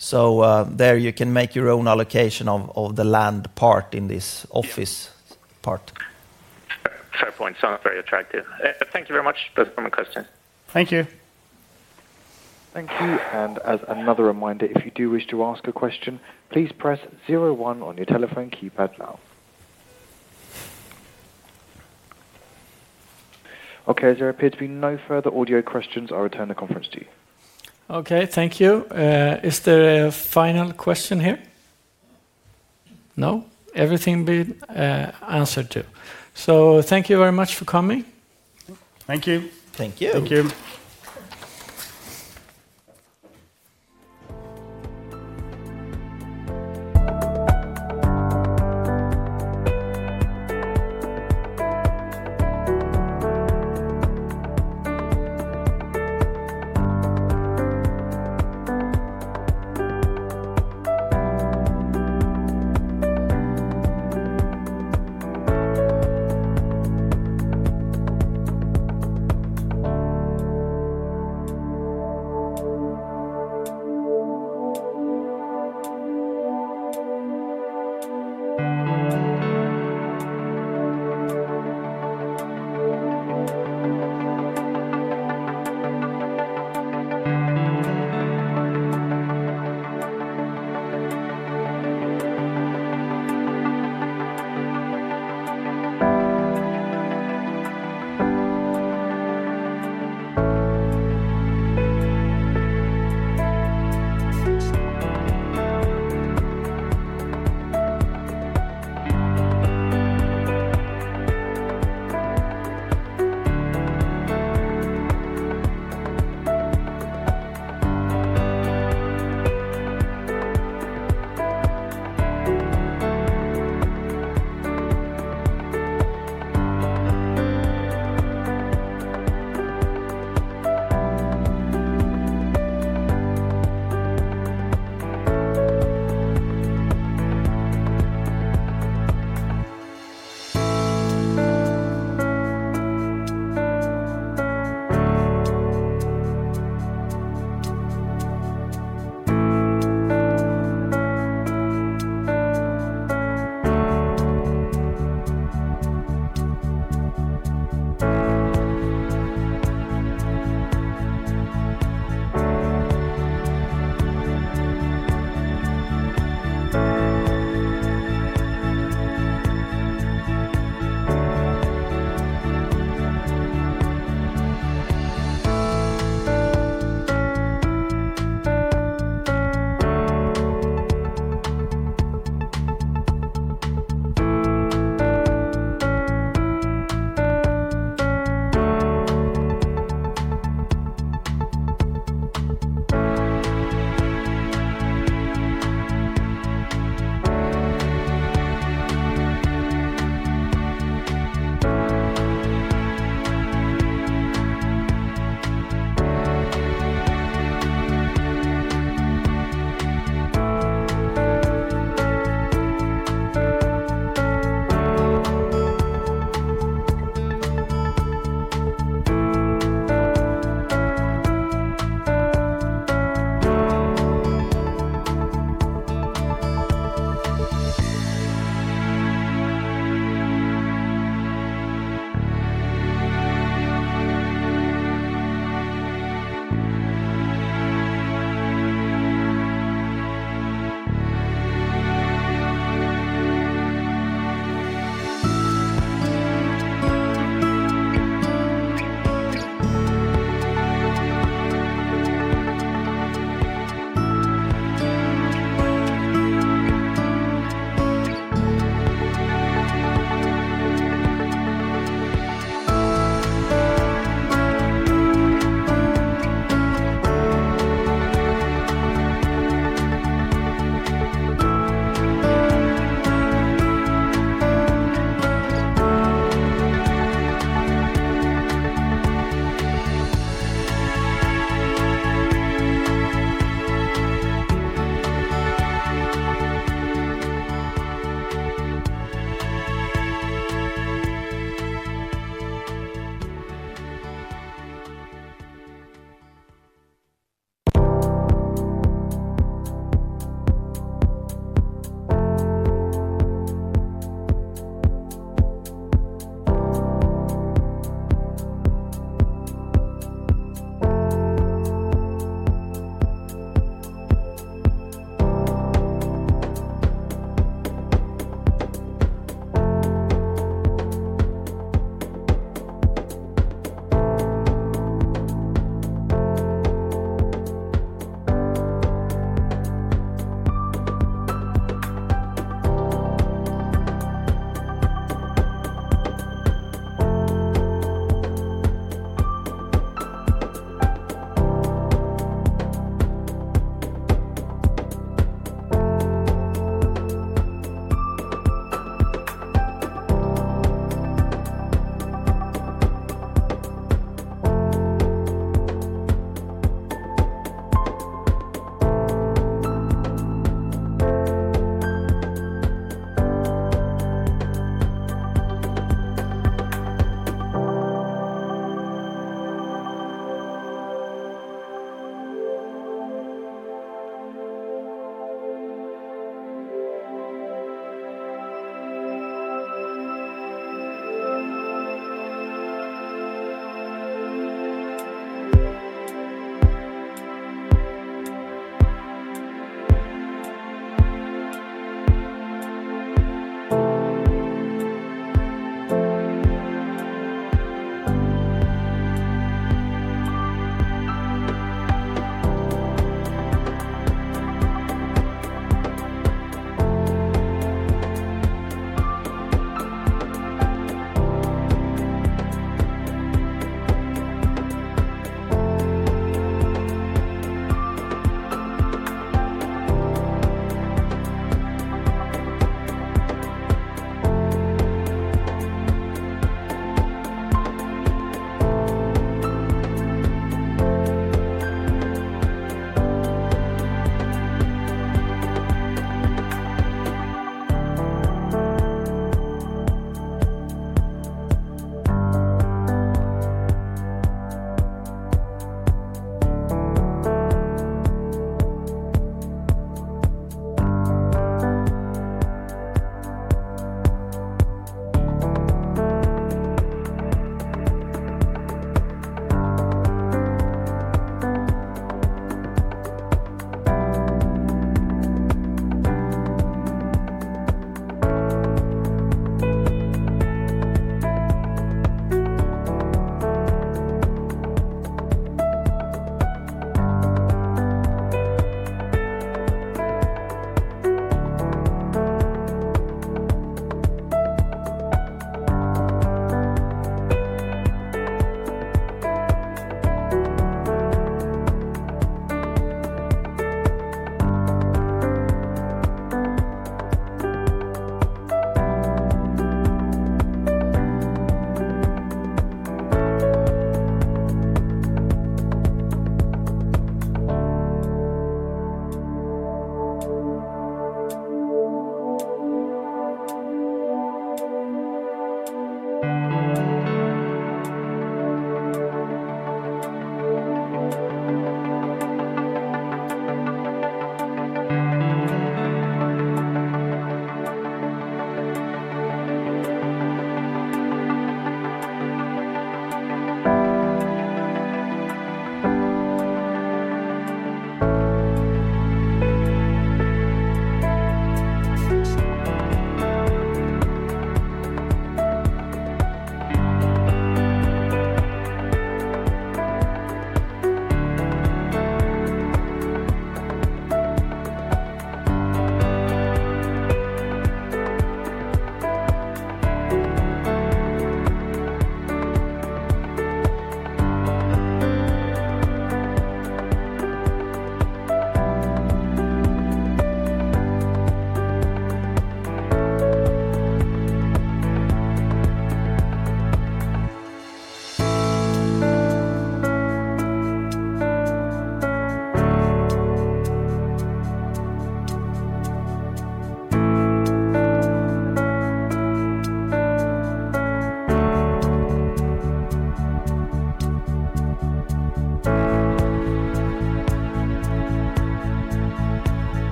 So, there you can make your own allocation of the land part in this office part. Fair point. Sounds very attractive. Thank you very much. That's my question. Thank you. Thank you. As another reminder, if you do wish to ask a question, please press zero one on your telephone keypad now. Okay, as there appear to be no further audio questions, I'll return the conference to you. Okay, thank you. Is there a final question here? No? Everything been answered to. So thank you very much for coming. Thank you.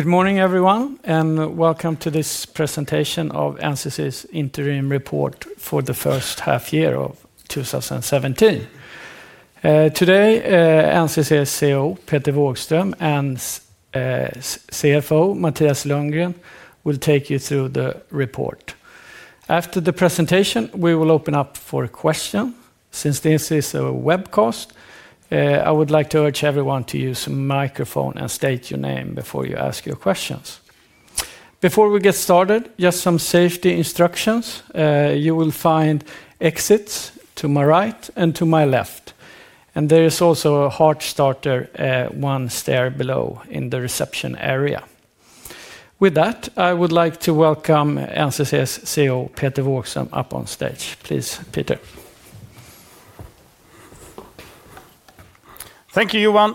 Thank you. Thank you. Good morning, everyone, and welcome to this presentation of NCC's interim report for the first half year of 2017. Today, NCC's CEO, Peter Wågström, and CFO, Mattias Lundgren, will take you through the report. After the presentation, we will open up for a question. Since this is a webcast, I would like to urge everyone to use microphone and state your name before you ask your questions. Before we get started, just some safety instructions. You will find exits to my right and to my left, and there is also a heart starter, 1 stair below in the reception area. With that, I would like to welcome NCC's CEO, Peter Wågström, up on stage. Please, Peter. Thank you, Johan.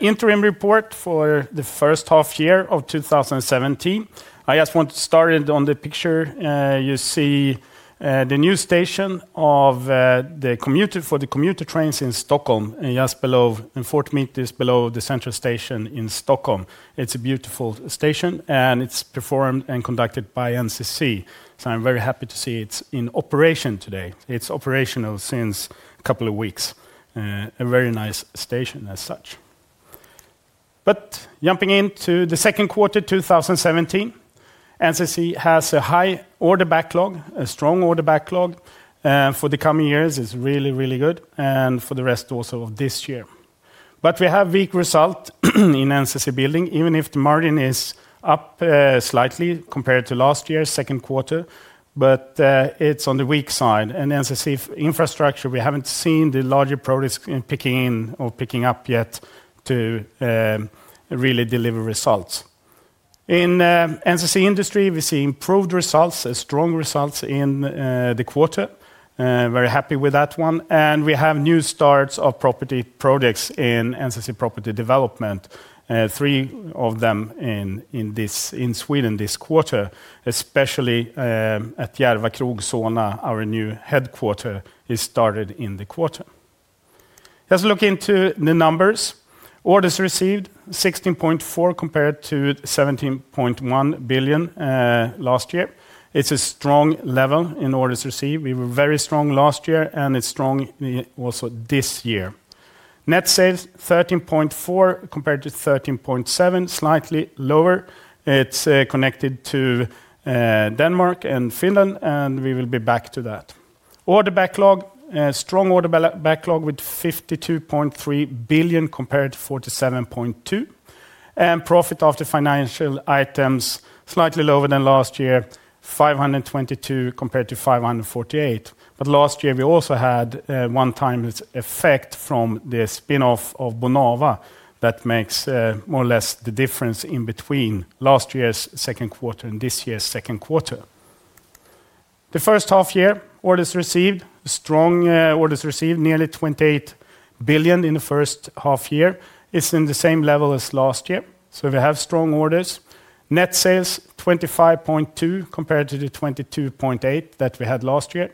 Interim report for the first half year of 2017. I just want to start it on the picture. You see, the new station of the commuter trains in Stockholm, and just below, and 40 meters below the central station in Stockholm. It's a beautiful station, and it's performed and conducted by NCC, so I'm very happy to see it's in operation today. It's operational since a couple of weeks. A very nice station as such. But jumping into the second quarter, 2017, NCC has a high order backlog, a strong order backlog. For the coming years, it's really, really good, and for the rest also of this year. But we have weak result in NCC Building, even if the margin is up slightly compared to last year's second quarter, but it's on the weak side. And NCC Infrastructure, we haven't seen the larger progress in picking up yet to really deliver results. In NCC Industry, we see improved results and strong results in the quarter. Very happy with that one, and we have new starts of property projects in NCC Property Development. Three of them in Sweden this quarter, especially at Järva Krog, Solna, our new headquarter, is started in the quarter. Let's look into the numbers. Orders received, 16.4 billion compared to 17.1 billion last year. It's a strong level in orders received. We were very strong last year, and it's strong also this year. Net sales, 13.4 compared to 13.7, slightly lower. It's connected to Denmark and Finland, and we will be back to that. Order backlog, strong order backlog with 52.3 billion compared to 47.2. And profit after financial items, slightly lower than last year, 522 compared to 548. But last year, we also had a one-time effect from the spin-off of Bonava. That makes more or less the difference in between last year's second quarter and this year's second quarter. The first half year, orders received, strong orders received, nearly 28 billion in the first half year. It's in the same level as last year, so we have strong orders. Net sales, 25.2, compared to the 22.8 that we had last year.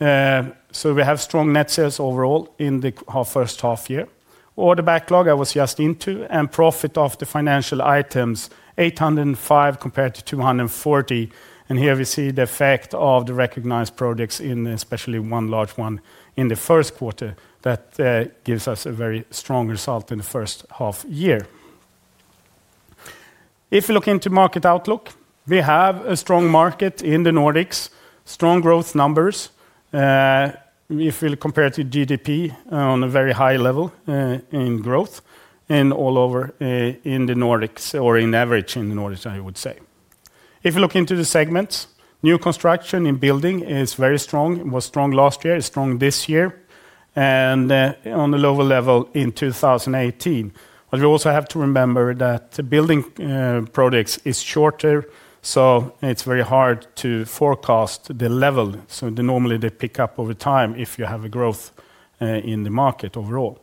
We have strong net sales overall in the first half year. Order backlog, I was just into, and profit of the financial items, 805 million compared to 240 million, and here we see the effect of the recognized products in especially one large one in the first quarter that gives us a very strong result in the first half year. If you look into market outlook, we have a strong market in the Nordics, strong growth numbers. If we compare to GDP on a very high level, in growth and all over, in the Nordics or in average in the Nordics, I would say. If you look into the segments, new construction in building is very strong. It was strong last year, is strong this year, and on the lower level in 2018. But you also have to remember that the building products is shorter, so it's very hard to forecast the level. So they normally they pick up over time if you have a growth in the market overall.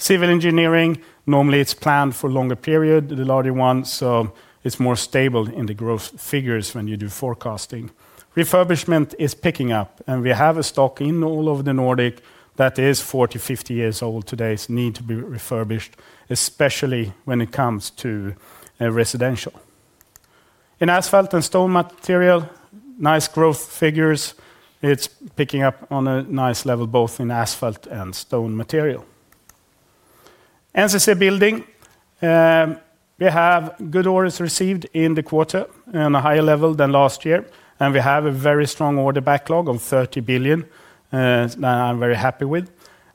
Civil engineering, normally, it's planned for longer period, the larger ones, so it's more stable in the growth figures when you do forecasting. Refurbishment is picking up, and we have a stock in all over the Nordic that is 40-50 years old today, is need to be refurbished, especially when it comes to residential. In asphalt and stone material, nice growth figures. It's picking up on a nice level, both in asphalt and stone material. NCC Building, we have good orders received in the quarter on a higher level than last year, and we have a very strong order backlog of 30 billion that I'm very happy with.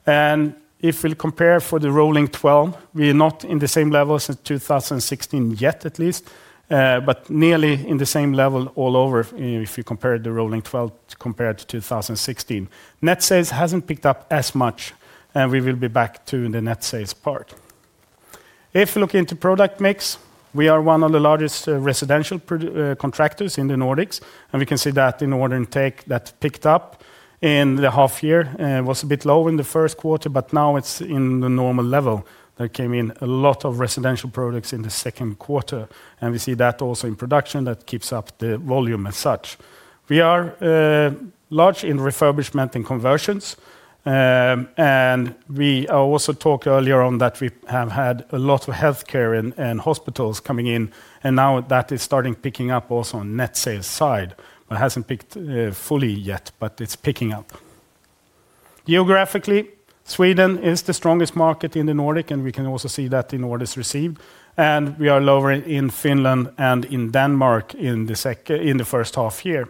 If we compare for the rolling twelve, we are not in the same level since 2016 yet at least, but nearly in the same level all over if you compare the rolling twelve compared to 2016. Net sales hasn't picked up as much, and we will be back to the net sales part. If you look into product mix, we are one of the largest residential contractors in the Nordics, and we can see that in order intake that picked up in the half year was a bit low in the first quarter, but now it's in the normal level. There came in a lot of residential products in the second quarter, and we see that also in production, that keeps up the volume as such. We are large in refurbishment and conversions, and we also talked earlier on that we have had a lot of healthcare and hospitals coming in, and now that is starting picking up also on net sales side. It hasn't picked fully yet, but it's picking up. Geographically, Sweden is the strongest market in the Nordic, and we can also see that in orders received, and we are lower in Finland and in Denmark in the first half year.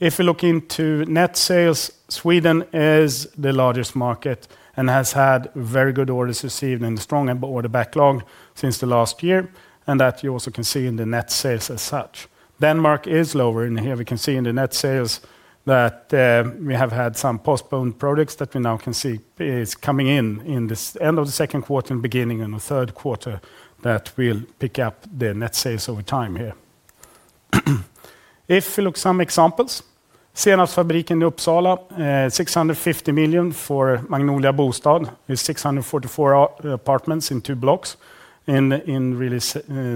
If you look into net sales, Sweden is the largest market and has had very good orders received and strong order backlog since the last year, and that you also can see in the net sales as such. Denmark is lower, and here we can see in the net sales that we have had some postponed products that we now can see is coming in in this end of the second quarter and beginning in the third quarter, that will pick up the net sales over time here. If you look some examples, Senapsfabriken in Uppsala, 650 million for Magnolia Bostad is 644 apartments in two blocks in really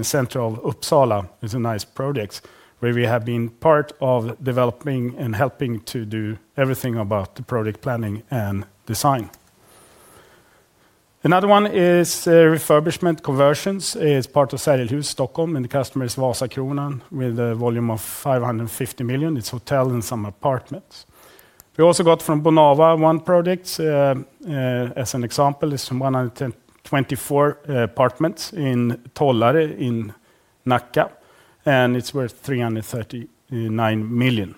central Uppsala. It's a nice project, where we have been part of developing and helping to do everything about the project planning and design. Another one is refurbishment conversions, is part of Sergelhuset, Stockholm, and the customer is Vasakronan, with a volume of 550 million. It's hotel and some apartments. We also got from Bonava one project, as an example, is some 124 apartments in Tollare, in Nacka, and it's worth 339 million.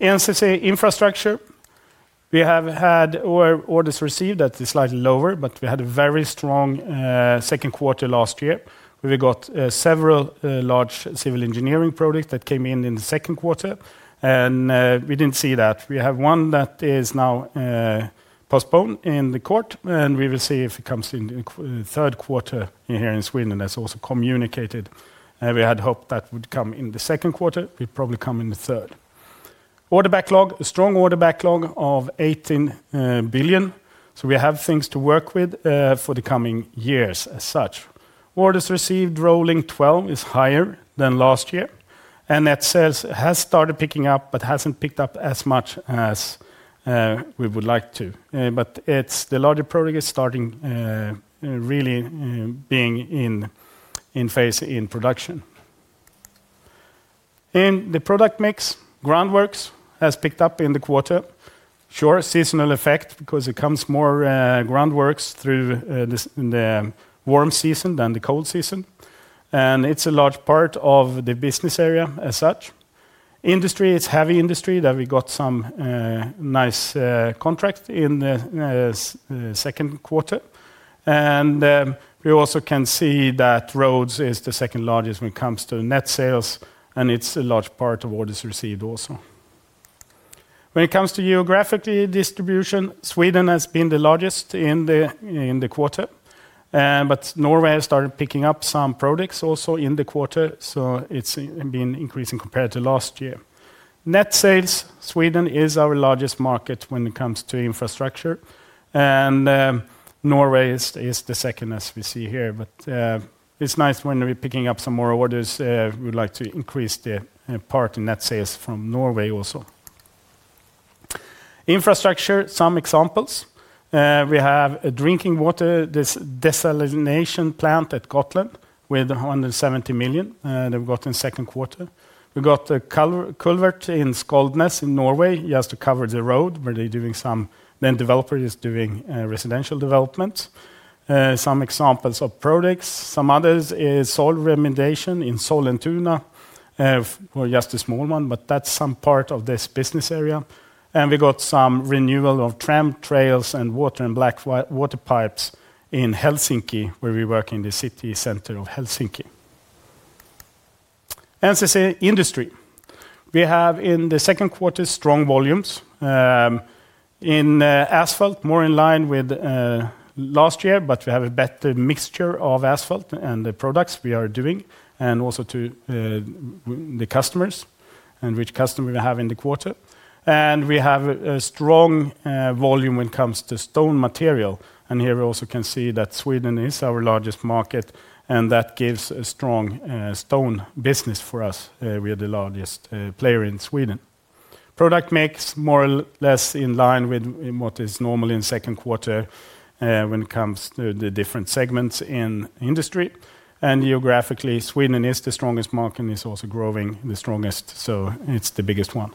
NCC Infrastructure, we have had orders received that is slightly lower, but we had a very strong second quarter last year. We got several large civil engineering projects that came in in the second quarter, and we didn't see that. We have one that is now postponed in the court, and we will see if it comes in the third quarter here in Sweden, and that's also communicated. And we had hoped that would come in the second quarter, will probably come in the third. Order backlog. A strong order backlog of 18 billion, so we have things to work with for the coming years as such. Orders received, rolling twelve, is higher than last year, and that sales has started picking up but hasn't picked up as much as we would like to. But it's the larger project is starting really being in phase in production. In the product mix, groundworks has picked up in the quarter. Sure, seasonal effect, because it comes more groundworks through the warm season than the cold season, and it's a large part of the business area as such. Industry, it's heavy industry that we got some nice contract in the second quarter. And we also can see that roads is the second largest when it comes to net sales, and it's a large part of what is received also. When it comes to geographic distribution, Sweden has been the largest in the quarter, but Norway has started picking up some projects also in the quarter, so it's been increasing compared to last year. Net sales, Sweden is our largest market when it comes to infrastructure, and Norway is the second, as we see here. But it's nice when we're picking up some more orders, we would like to increase the part in net sales from Norway also. Infrastructure, some examples. We have a drinking water desalination plant at Gotland, with 170 million, that we got in second quarter. We got a culvert in Skarvnes in Norway. It has to cover the road, where the land developer is doing residential development. Some examples of projects. Some others is soil remediation in Sollentuna. Well, just a small one, but that's some part of this business area. And we got some renewal of tram rails and water and black water pipes in Helsinki, where we work in the city center of Helsinki. NCC Industry. We have, in the second quarter, strong volumes in asphalt, more in line with last year, but we have a better mixture of asphalt and the products we are doing, and also to the customers, and which customer we have in the quarter. And we have a strong volume when it comes to stone material. And here, we also can see that Sweden is our largest market, and that gives a strong stone business for us. We are the largest player in Sweden. Product mix, more or less in line with, in what is normal in second quarter, when it comes to the different segments in industry. And geographically, Sweden is the strongest market, and it's also growing the strongest, so it's the biggest one.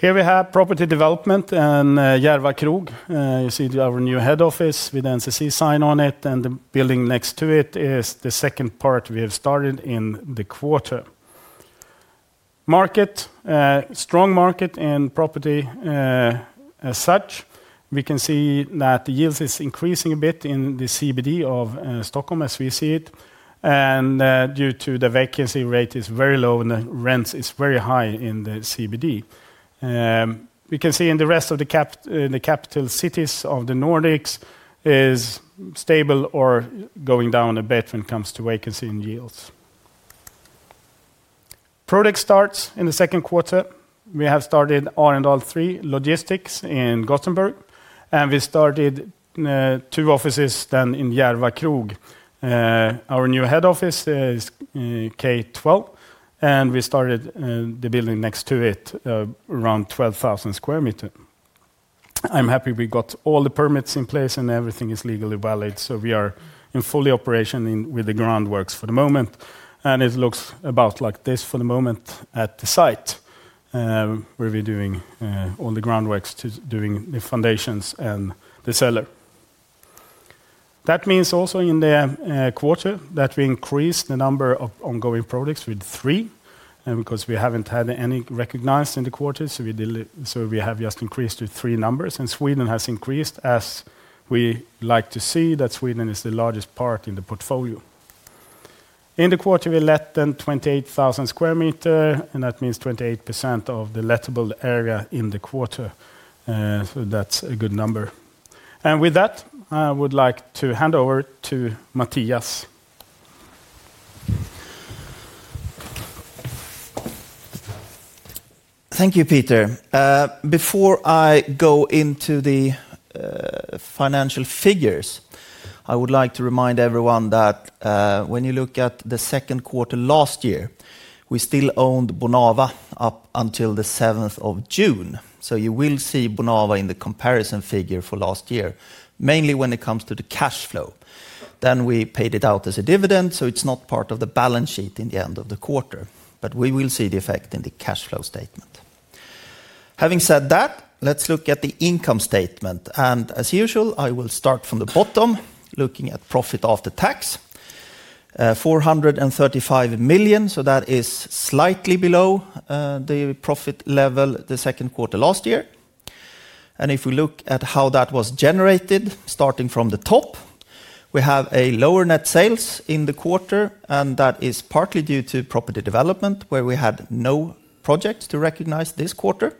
Here we have property development in, Järva Krog. You see our new head office with the NCC sign on it, and the building next to it is the second part we have started in the quarter. Market, strong market in property, as such. We can see that the yields is increasing a bit in the CBD of, Stockholm, as we see it, and, due to the vacancy rate is very low and the rents is very high in the CBD. We can see in the rest of the cap... The capital cities of the Nordics is stable or going down a bit when it comes to vacancy and yields. Project starts in the second quarter. We have started Arendal Three logistics in Gothenburg, and we started 2 offices then in Järva Krog. Our new head office is K12, and we started the building next to it around 12,000 square meter. I'm happy we got all the permits in place and everything is legally valid, so we are in fully operation in with the groundworks for the moment, and it looks about like this for the moment at the site, where we're doing all the groundworks to doing the foundations and the cellar. That means also in the quarter, that we increased the number of ongoing products with three, and because we haven't had any recognized in the quarter, so we have just increased to three numbers, and Sweden has increased, as we like to see, that Sweden is the largest part in the portfolio. In the quarter, we let then 28,000 square meter, and that means 28% of the lettable area in the quarter. So that's a good number. And with that, I would like to hand over to Mattias. Thank you, Peter. Before I go into the financial figures, I would like to remind everyone that when you look at the second quarter last year, we still owned Bonava up until the 7th of June. So you will see Bonava in the comparison figure for last year, mainly when it comes to the cash flow. Then we paid it out as a dividend, so it's not part of the balance sheet in the end of the quarter, but we will see the effect in the cash flow statement. Having said that, let's look at the income statement. As usual, I will start from the bottom, looking at profit after tax. 435 million, so that is slightly below the profit level the second quarter last year. If we look at how that was generated, starting from the top, we have lower net sales in the quarter, and that is partly due to property development, where we had no projects to recognize this quarter.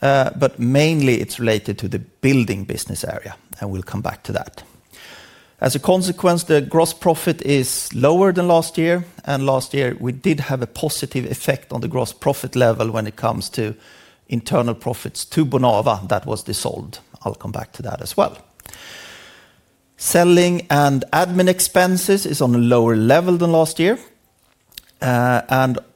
But mainly it's related to the building business area, and we'll come back to that. As a consequence, the gross profit is lower than last year, and last year, we did have a positive effect on the gross profit level when it comes to internal profits to Bonava that was dissolved. I'll come back to that as well. Selling and admin expenses is on a lower level than last year.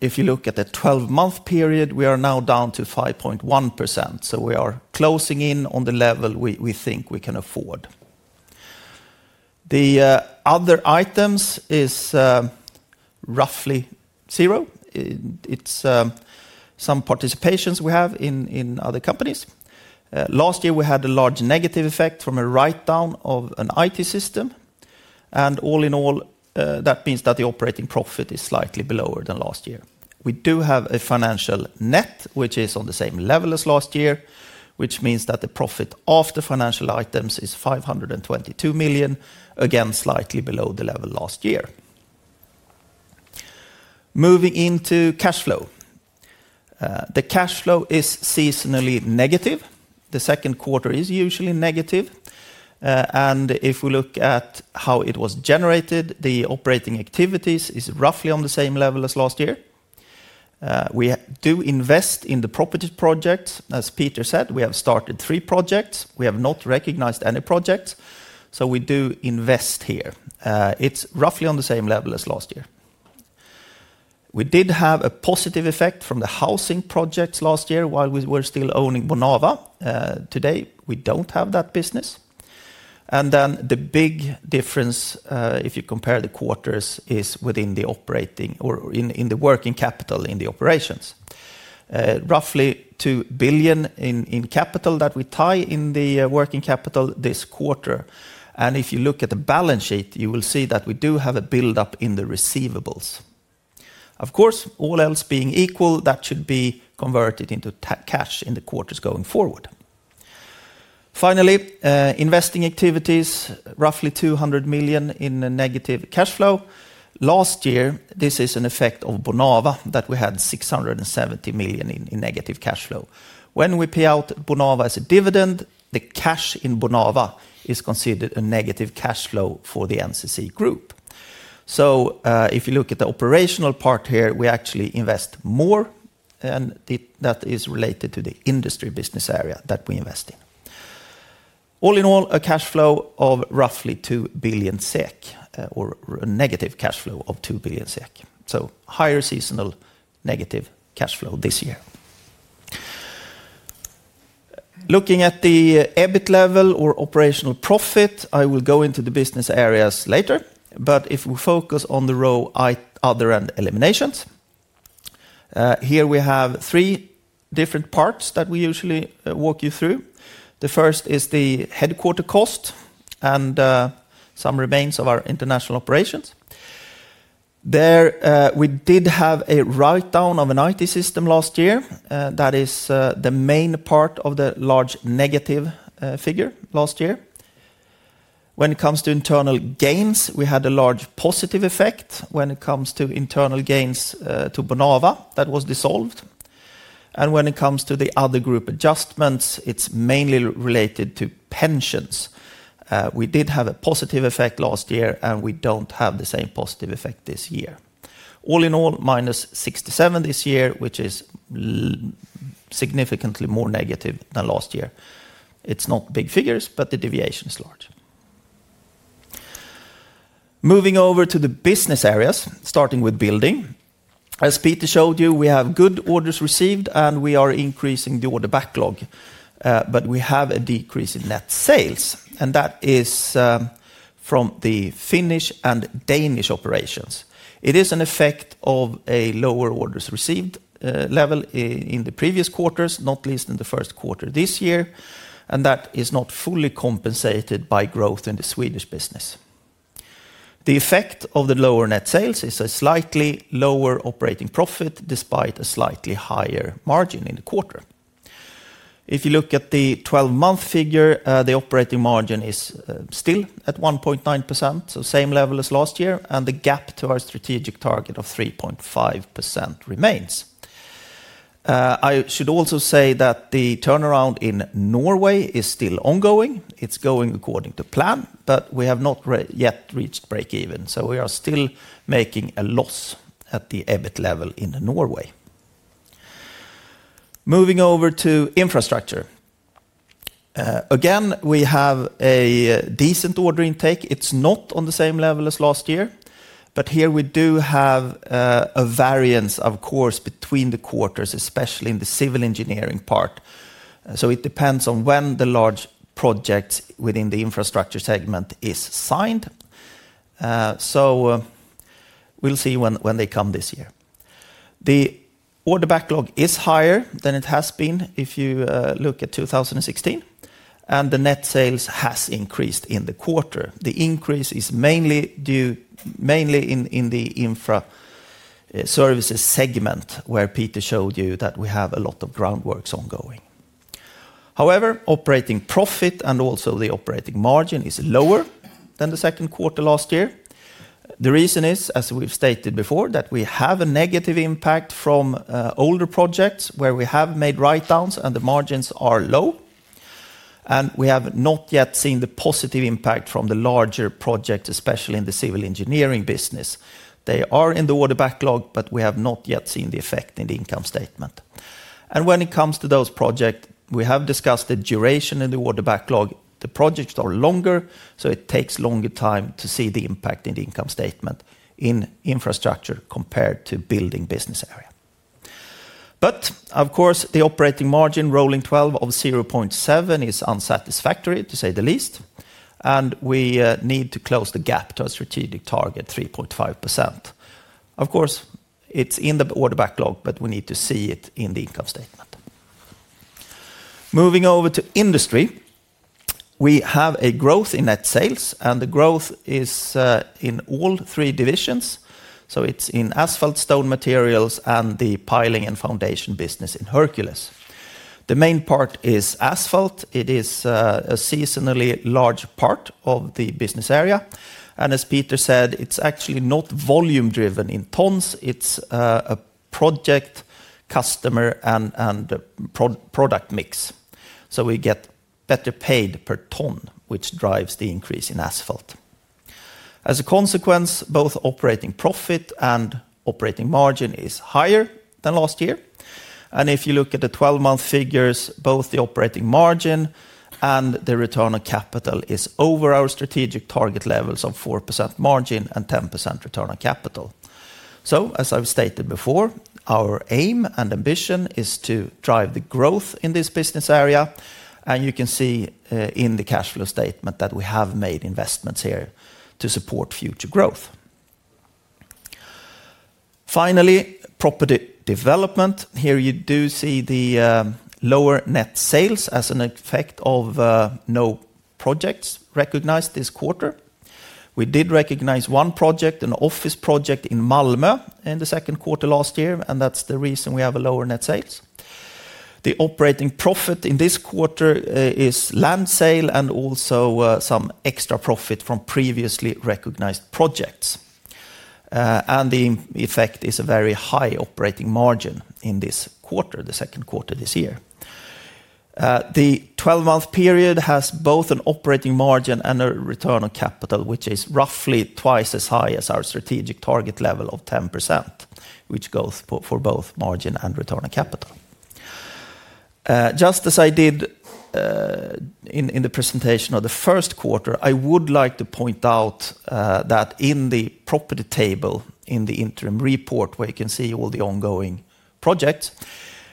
If you look at the 12-month period, we are now down to 5.1%, so we are closing in on the level we, we think we can afford. The other items is roughly zero. It's some participations we have in other companies. Last year, we had a large negative effect from a write-down of an IT system, and all in all, that means that the operating profit is slightly below than last year. We do have a financial net, which is on the same level as last year, which means that the profit of the financial items is 522 million, again, slightly below the level last year. Moving into cash flow. The cash flow is seasonally negative. The second quarter is usually negative. And if we look at how it was generated, the operating activities is roughly on the same level as last year. We do invest in the property projects. As Peter said, we have started three projects. We have not recognized any projects, so we do invest here. It's roughly on the same level as last year. We did have a positive effect from the housing projects last year, while we were still owning Bonava. Today, we don't have that business. And then the big difference, if you compare the quarters, is within the operating or in, in the working capital in the operations. Roughly 2 billion in capital that we tie in the working capital this quarter. And if you look at the balance sheet, you will see that we do have a build-up in the receivables. Of course, all else being equal, that should be converted into cash in the quarters going forward. Finally, investing activities, roughly 200 million in negative cash flow. Last year, this is an effect of Bonava, that we had 670 million in negative cash flow. When we pay out Bonava as a dividend, the cash in Bonava is considered a negative cash flow for the NCC group. So, if you look at the operational part here, we actually invest more, and that is related to the industry business area that we invest in. All in all, a cash flow of roughly 2 billion SEK, or a negative cash flow of 2 billion SEK. So higher seasonal negative cash flow this year. Looking at the EBIT level or operational profit, I will go into the business areas later. But if we focus on the row other and eliminations, here we have three different parts that we usually walk you through. The first is the headquarters cost and some remains of our international operations. There, we did have a write-down of an IT system last year. That is the main part of the large negative figure last year. When it comes to internal gains, we had a large positive effect when it comes to internal gains to Bonava that was dissolved. And when it comes to the other group adjustments, it's mainly related to pensions. We did have a positive effect last year, and we don't have the same positive effect this year. All in all, 67 this year, which is significantly more negative than last year. It's not big figures, but the deviation is large. Moving over to the business areas, starting with building. As Peter showed you, we have good orders received, and we are increasing the order backlog, but we have a decrease in net sales, and that is from the Finnish and Danish operations. It is an effect of a lower orders received level in the previous quarters, not least in the first quarter this year, and that is not fully compensated by growth in the Swedish business. The effect of the lower net sales is a slightly lower operating profit, despite a slightly higher margin in the quarter. If you look at the twelve-month figure, the operating margin is still at 1.9%, so same level as last year, and the gap to our strategic target of 3.5% remains. I should also say that the turnaround in Norway is still ongoing. It's going according to plan, but we have not yet reached breakeven, so we are still making a loss at the EBIT level in Norway. Moving over to infrastructure. Again, we have a decent order intake. It's not on the same level as last year, but here we do have a variance, of course, between the quarters, especially in the civil engineering part. So it depends on when the large project within the infrastructure segment is signed. So we'll see when they come this year. The order backlog is higher than it has been if you look at 2016, and the net sales has increased in the quarter. The increase is mainly in the infra services segment, where Peter showed you that we have a lot of groundworks ongoing. However, operating profit and also the operating margin is lower than the second quarter last year. The reason is, as we've stated before, that we have a negative impact from older projects where we have made write-downs and the margins are low, and we have not yet seen the positive impact from the larger project, especially in the civil engineering business. They are in the order backlog, but we have not yet seen the effect in the income statement. And when it comes to those project, we have discussed the duration in the order backlog. The projects are longer, so it takes longer time to see the impact in the income statement in infrastructure compared to building business area. But of course, the operating margin, rolling twelve of 0.7, is unsatisfactory, to say the least, and we need to close the gap to a strategic target, 3.5%. Of course, it's in the order backlog, but we need to see it in the income statement. Moving over to industry, we have a growth in net sales, and the growth is in all three divisions, so it's in asphalt, stone materials, and the piling and foundation business in Hercules. The main part is asphalt. It is a seasonally large part of the business area, and as Peter said, it's actually not volume-driven in tons. It's a project, customer, and product mix. So we get better paid per ton, which drives the increase in asphalt. As a consequence, both operating profit and operating margin is higher than last year. And if you look at the 12-month figures, both the operating margin and the return on capital is over our strategic target levels of 4% margin and 10% return on capital. So, as I've stated before, our aim and ambition is to drive the growth in this business area, and you can see, in the cash flow statement that we have made investments here to support future growth. Finally, property development. Here, you do see the lower net sales as an effect of, no projects recognized this quarter. We did recognize one project, an office project in Malmö, in the second quarter last year, and that's the reason we have a lower net sales. The operating profit in this quarter, is land sale and also, some extra profit from previously recognized projects. And the effect is a very high operating margin in this quarter, the second quarter this year. The 12-month period has both an operating margin and a return on capital, which is roughly twice as high as our strategic target level of 10%, which goes for both margin and return on capital. Just as I did in the presentation of the first quarter, I would like to point out that in the property table, in the interim report, where you can see all the ongoing projects,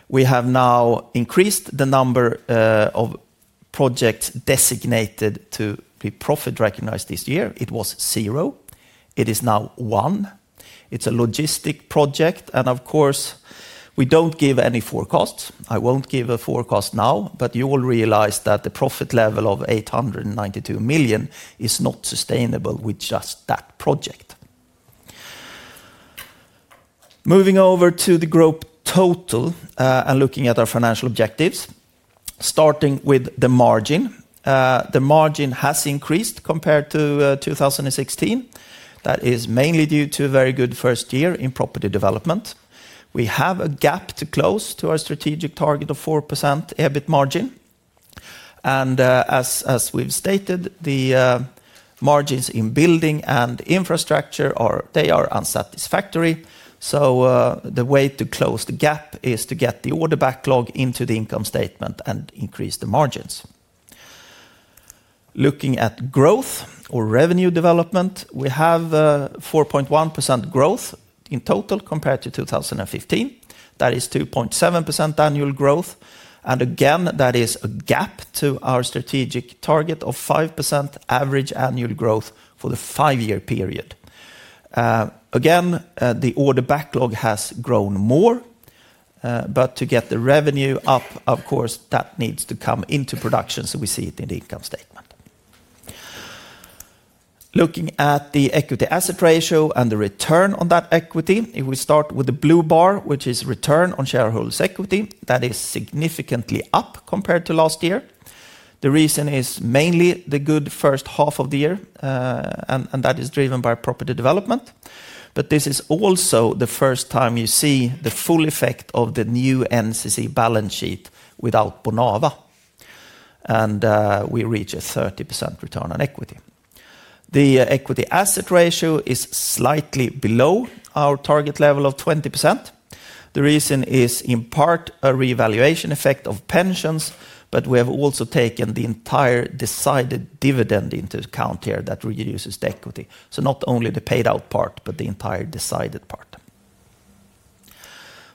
we have now increased the number of projects designated to be profit-recognized this year. It was zero. It is now one. It's a logistic project, and of course, we don't give any forecasts. I won't give a forecast now, but you will realize that the profit level of 892 million is not sustainable with just that project. Moving over to the group total, and looking at our financial objectives, starting with the margin. The margin has increased compared to 2016. That is mainly due to a very good first year in property development. We have a gap to close to our strategic target of 4% EBIT margin, and, as, as we've stated, the margins in building and infrastructure are - they are unsatisfactory. So, the way to close the gap is to get the order backlog into the income statement and increase the margins. Looking at growth or revenue development, we have 4.1% growth in total compared to 2015. That is 2.7% annual growth, and again, that is a gap to our strategic target of 5% average annual growth for the five-year period. Again, the order backlog has grown more, but to get the revenue up, of course, that needs to come into production, so we see it in the income statement. Looking at the Equity Asset Ratio and the return on that equity, if we start with the blue bar, which is return on shareholders' equity, that is significantly up compared to last year. The reason is mainly the good first half of the year, and, and that is driven by property development. But this is also the first time you see the full effect of the new NCC balance sheet without Bonava, and, we reach a 30% return on equity. The Equity Asset Ratio is slightly below our target level of 20%. The reason is, in part, a revaluation effect of pensions, but we have also taken the entire decided dividend into account here that reduces the equity. So not only the paid out part, but the entire decided part.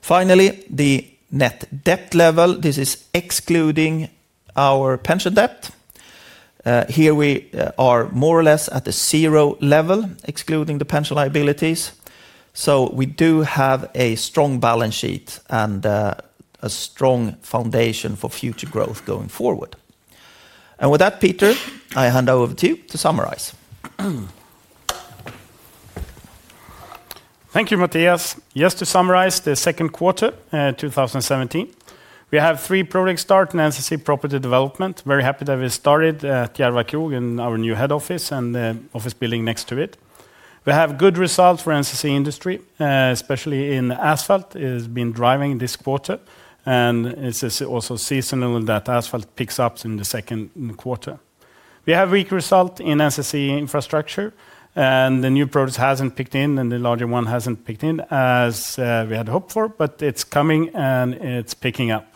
Finally, the net debt level. This is excluding our pension debt. Here we are more or less at the zero level, excluding the pension liabilities. So we do have a strong balance sheet and a strong foundation for future growth going forward. And with that, Peter, I hand over to you to summarize. Thank you, Mattias. Just to summarize the second quarter, 2017. We have three project start in NCC Property Development. Very happy that we started Järva Krog and our new head office and the office building next to it. We have good results for NCC Industry, especially in asphalt. It has been driving this quarter, and it's also seasonal that asphalt picks up in the second quarter. We have weak result in NCC Infrastructure, and the new projects hasn't kicked in, and the larger one hasn't kicked in as we had hoped for, but it's coming, and it's picking up.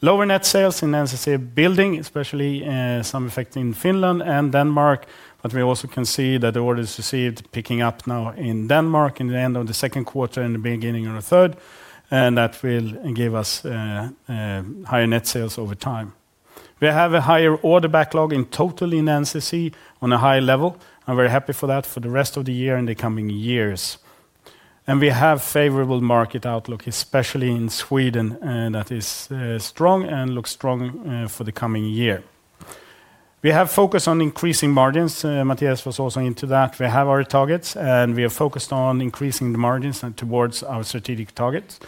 Lower net sales in NCC Building, especially some effect in Finland and Denmark, but we also can see that the orders received picking up now in Denmark in the end of the second quarter and the beginning of the third, and that will give us higher net sales over time. We have a higher order backlog in total in NCC on a high level, and we're happy for that for the rest of the year and the coming years. We have favorable market outlook, especially in Sweden, that is strong and looks strong for the coming year. We have focused on increasing margins, Mattias was also into that. We have our targets, and we are focused on increasing the margins and towards our strategic targets.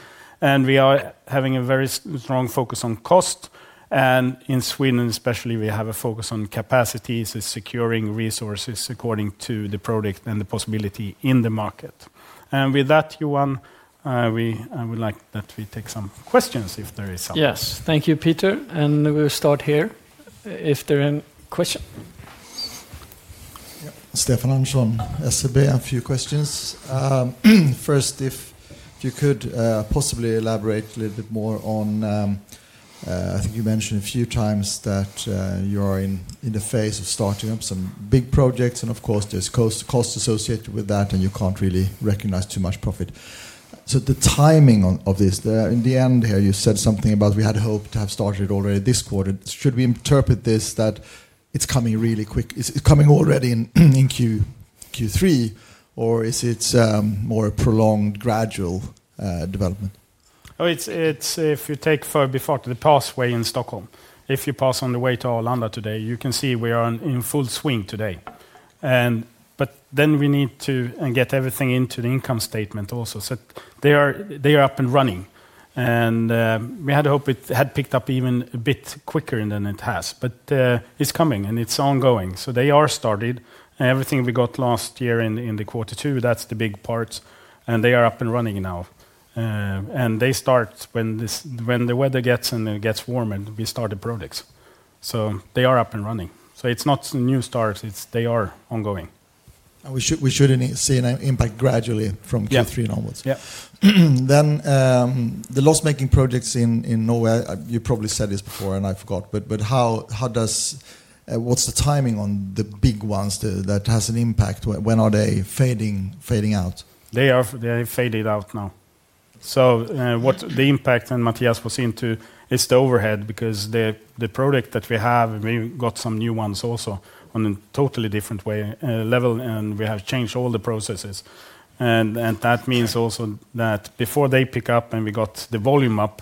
We are having a very strong focus on cost, and in Sweden especially, we have a focus on capacity, so securing resources according to the product and the possibility in the market. With that, Johan, I would like that we take some questions if there is some. Yes. Thank you, Peter, and we'll start here if there are any question. Yeah, Stefan Andersson, SEB. A few questions. First, if you could possibly elaborate a little bit more on, I think you mentioned a few times that you are in the phase of starting up some big projects, and of course, there's cost associated with that, and you can't really recognize too much profit. So the timing on of this, in the end here, you said something about we had hoped to have started already this quarter. Should we interpret this that it's coming really quick? Is it coming already in Q3, or is it more a prolonged, gradual development? It's if you take for before to the pass way in Stockholm, if you pass on the way to Arlanda today, you can see we are in full swing today. But then we need to get everything into the income statement also. So they are up and running, and we had hoped it had picked up even a bit quicker than it has. But it's coming, and it's ongoing, so they are started, and everything we got last year in the quarter two, that's the big parts, and they are up and running now. And they start when the weather gets and it gets warmer, and we start the projects. So they are up and running. So it's not new start, it's they are ongoing. And we should see an impact gradually from- Yeah... Q3 onward? Yeah. Then, the loss-making projects in Norway, you probably said this before, and I forgot, but how does... What's the timing on the big ones that has an impact? When are they fading out? They are, they are faded out now. So, what the impact, and Mattias was into, is the overhead because the, the product that we have, we got some new ones also on a totally different way, level, and we have changed all the processes. And, and that means also that before they pick up and we got the volume up,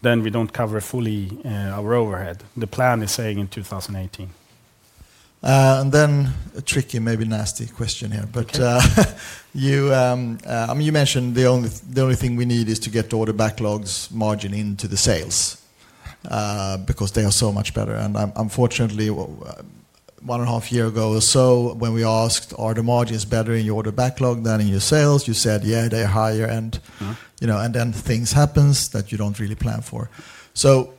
then we don't cover fully, our overhead. The plan is saying in 2018. And then a tricky, maybe nasty question here. Okay. But, you, I mean, you mentioned the only, the only thing we need is to get the order backlog margin into the sales, because they are so much better. And unfortunately, 1.5 years ago or so, when we asked, "Are the margins better in your order backlog than in your sales?" You said, "Yeah, they're higher," and- Mm-hmm... you know, and then things happen that you don't really plan for. So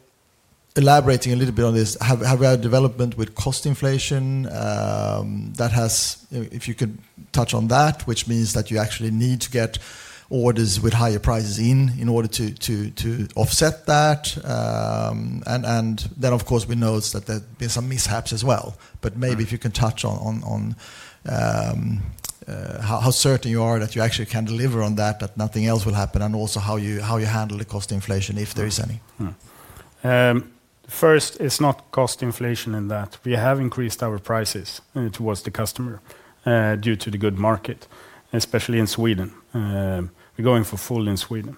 elaborating a little bit on this, have you had development with cost inflation that has... If you could touch on that, which means that you actually need to get orders with higher prices in order to offset that. And then, of course, we noticed that there's been some mishaps as well. Right. But maybe if you can touch on how certain you are that you actually can deliver on that, nothing else will happen, and also how you handle the cost inflation, if there is any? First, it's not cost inflation in that we have increased our prices towards the customer, due to the good market, especially in Sweden. We're going for full in Sweden.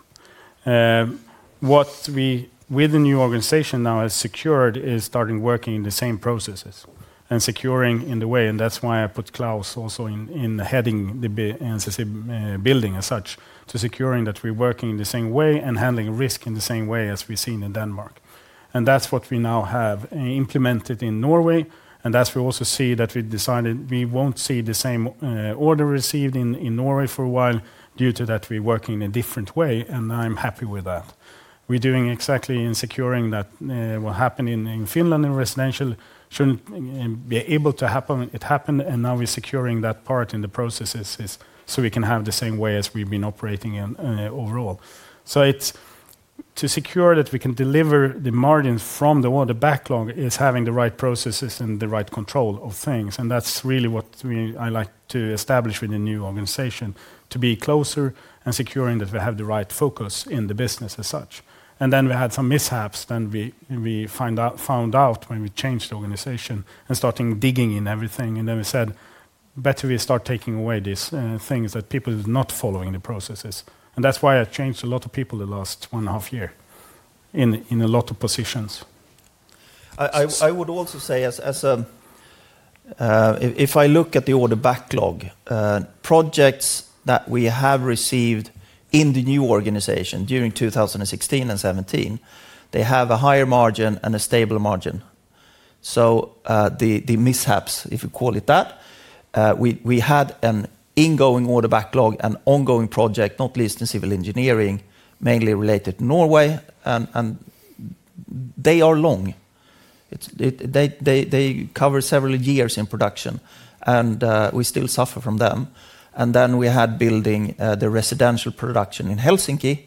What we, with the new organization now has secured, is starting working in the same processes and securing in the way, and that's why I put Klaus also in, in heading the build- and building as such, to securing that we're working in the same way and handling risk in the same way as we've seen in Denmark. And that's what we now have implemented in Norway, and as we also see that we decided we won't see the same, order received in, in Norway for a while due to that we're working in a different way, and I'm happy with that. We're doing exactly in securing that, what happened in Finland, in residential, shouldn't be able to happen. It happened, and now we're securing that part in the processes, so we can have the same way as we've been operating in, overall. So it's to secure that we can deliver the margin from the order backlog is having the right processes and the right control of things, and that's really what we- I like to establish with the new organization, to be closer and securing that we have the right focus in the business as such. Then we had some mishaps, then we found out when we changed the organization and starting digging in everything, and then we said, "Better we start taking away these things that people are not following the processes." That's why I changed a lot of people the last 1.5 year in a lot of positions. I would also say as, as a... If I look at the order backlog, projects that we have received in the new organization during 2016 and 2017, they have a higher margin and a stable margin. The mishaps, if you call it that, we had an ingoing order backlog and ongoing project, not least in civil engineering, mainly related to Norway, and they are long. They cover several years in production, and we still suffer from them. Then we had building, the residential production in Helsinki,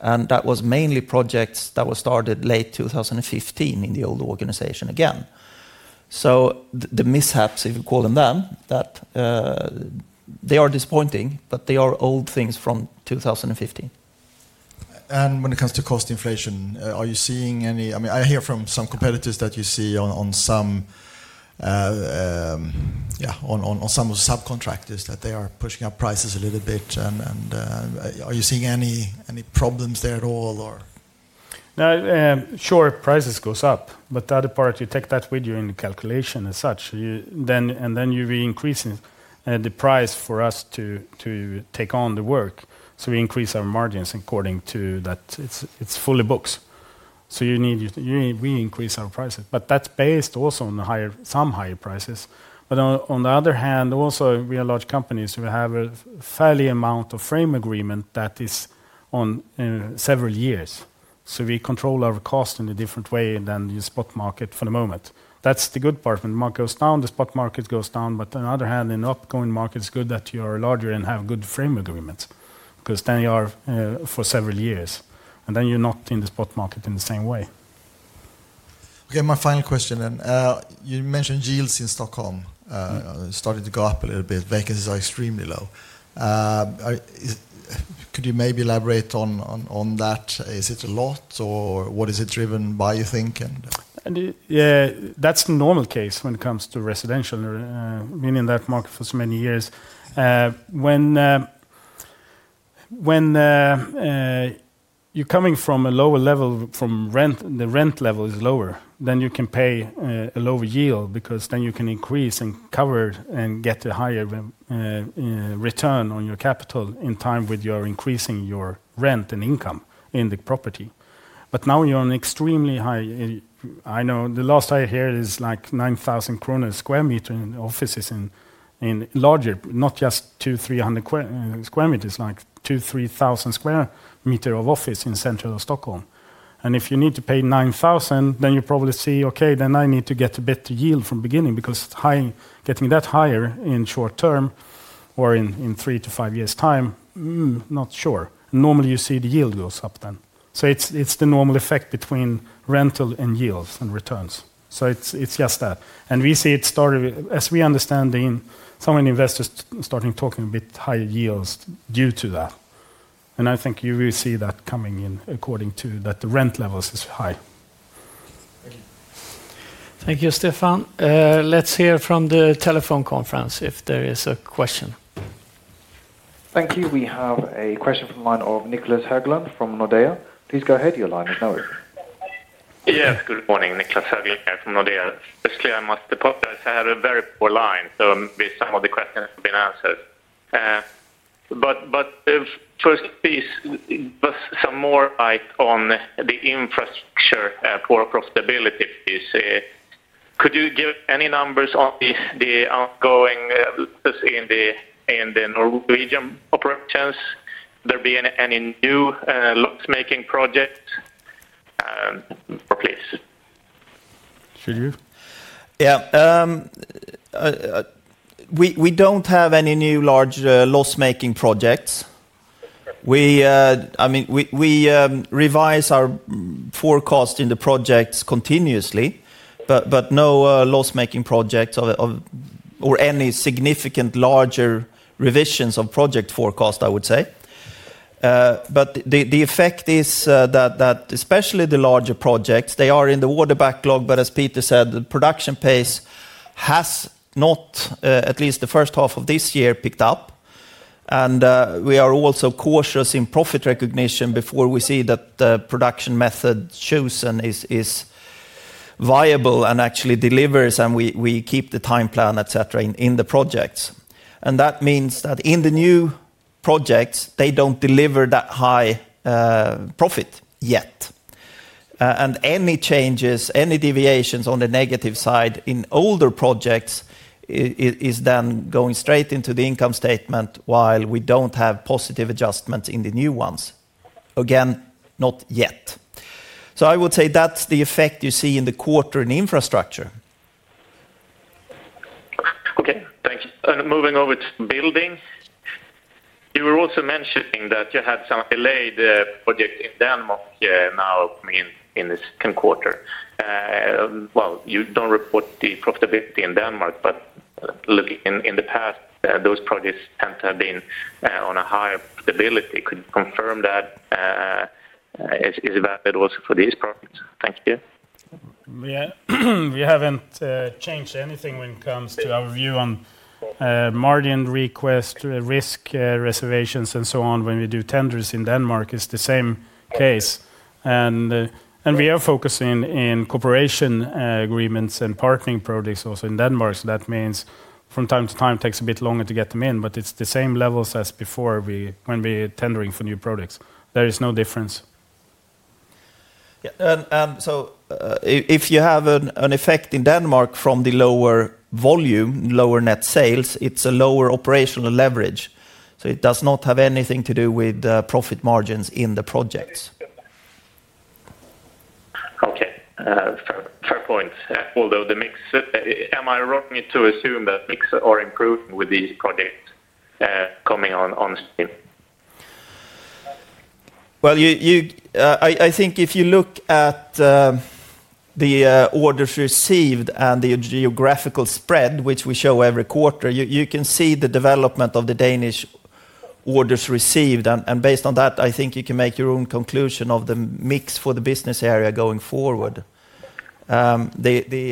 and that was mainly projects that were started late 2015 in the old organization again. The mishaps, if you call them that, they are disappointing, but they are old things from 2015. And when it comes to cost inflation, are you seeing any? I mean, I hear from some competitors that you see on some of the subcontractors that they are pushing up prices a little bit, and are you seeing any problems there at all, or? No, sure, prices goes up, but the other part, you take that with you in the calculation as such. You then and then you re-increase it, the price for us to take on the work. So we increase our margins according to that. It's, it's fully books. So you need, we increase our prices, but that's based also on the higher, some higher prices. But on the other hand, also, we are large companies, we have a fairly amount of frame agreement that is on several years. So we control our cost in a different way than the spot market for the moment. That's the good part. When the market goes down, the spot market goes down, but on the other hand, in outgoing market, it's good that you are larger and have good frame agreements, because then you are, for several years, and then you're not in the spot market in the same way. Okay, my final question then. You mentioned yields in Stockholm. Mm. Started to go up a little bit. Vacancies are extremely low. Could you maybe elaborate on that? Is it a lot, or what is it driven by, you think, and? Yeah, that's the normal case when it comes to residential, being in that market for so many years. When you're coming from a lower level, from rent, the rent level is lower, then you can pay a lower yield, because then you can increase and cover and get a higher return on your capital in time with your increasing your rent and income in the property. But now you're on extremely high. I know the last I hear is, like, 9,000 kronor per square meter in offices in larger, not just 200-300 square meters, like 2,000-3,000 square meters of office in central Stockholm. If you need to pay 9,000, then you probably see, okay, then I need to get a better yield from beginning, because getting that higher in short term or in three to five years' time, mm, not sure. Normally, you see the yield goes up then. It's the normal effect between rental and yields and returns. It's just that. We see it started—as we understand in some investors starting talking a bit higher yields due to that. I think you will see that coming in according to that, the rent levels is high. Thank you. Thank you, Stefan. Let's hear from the telephone conference if there is a question. Thank you. We have a question from one of Niclas Höglund from Nordea. Please go ahead, your line is now open. Yes, good morning, Niclas Höglund from Nordea. Firstly, I must apologize, I had a very poor line, so maybe some of the questions have been answered. But first, please, some more light on the infrastructure for profitability, please. Could you give any numbers on the ongoing, let's say, in the Norwegian operations? There being any new loss-making project, please? Should you? Yeah, we don't have any new large loss-making projects. Okay. We, I mean, we revise our forecast in the projects continuously, but no loss-making projects of a, of... or any significant larger revisions of project forecast, I would say. The effect is that especially the larger projects, they are in the order backlog, but as Peter said, the production pace has not, at least the first half of this year, picked up. We are also cautious in profit recognition before we see that the production method chosen is viable and actually delivers, and we keep the time plan, et cetera, in the projects. That means that in the new projects, they don't deliver that high profit yet. Any changes, any deviations on the negative side in older projects, is then going straight into the income statement while we don't have positive adjustments in the new ones. Again, not yet. So I would say that's the effect you see in the quarter in infrastructure. Okay, thank you. Moving over to building, you were also mentioning that you had some delayed project in Denmark, now, I mean, in this second quarter. Well, you don't report the profitability in Denmark, but look, in the past, those projects tend to have been on a higher profitability. Could you confirm that, is that it also for these projects? Thank you. Yeah. We haven't changed anything when it comes to our view on margin request, risk, reservations, and so on. When we do tenders in Denmark, it's the same case. And we are focusing in cooperation agreements and partnering products also in Denmark. So that means from time to time, it takes a bit longer to get them in, but it's the same levels as before—when we tendering for new products. There is no difference. Yeah, and so if you have an effect in Denmark from the lower volume, lower net sales, it's a lower operational leverage, so it does not have anything to do with the profit margins in the projects. Okay, fair, fair point. Although the mix, am I wrong to assume that mix are improving with these projects, coming on stream? Well, you, you, I, I think if you look at the orders received and the geographical spread, which we show every quarter, you can see the development of the Danish orders received, and based on that, I think you can make your own conclusion of the mix for the business area going forward. We have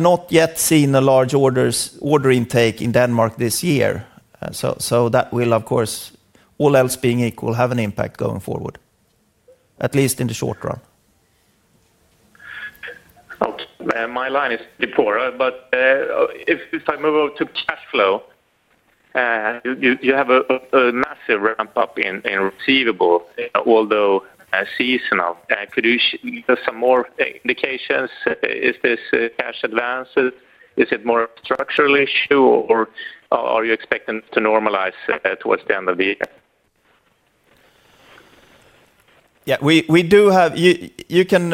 not yet seen the large order intake in Denmark this year. That will of course, all else being equal, have an impact going forward, at least in the short run. Okay. My line is before, but if I move on to cash flow, you have a massive ramp up in receivable, although seasonal. Could you share some more indications? Is this cash advances? Is it more structural issue, or are you expecting to normalize towards the end of the year? Yeah, we do have you can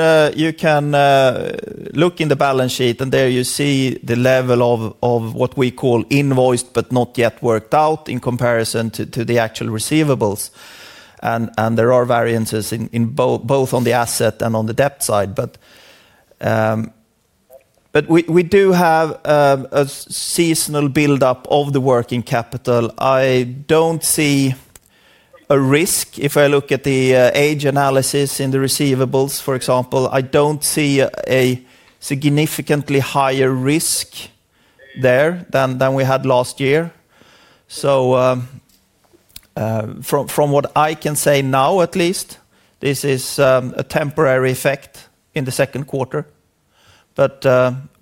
look in the balance sheet, and there you see the level of what we call invoiced, but not yet worked out in comparison to the actual receivables. And there are variances in both on the asset and on the debt side. But we do have a seasonal buildup of the working capital. I don't see a risk. If I look at the age analysis in the receivables, for example, I don't see a significantly higher risk there than we had last year. So, from what I can say now, at least, this is a temporary effect in the second quarter, but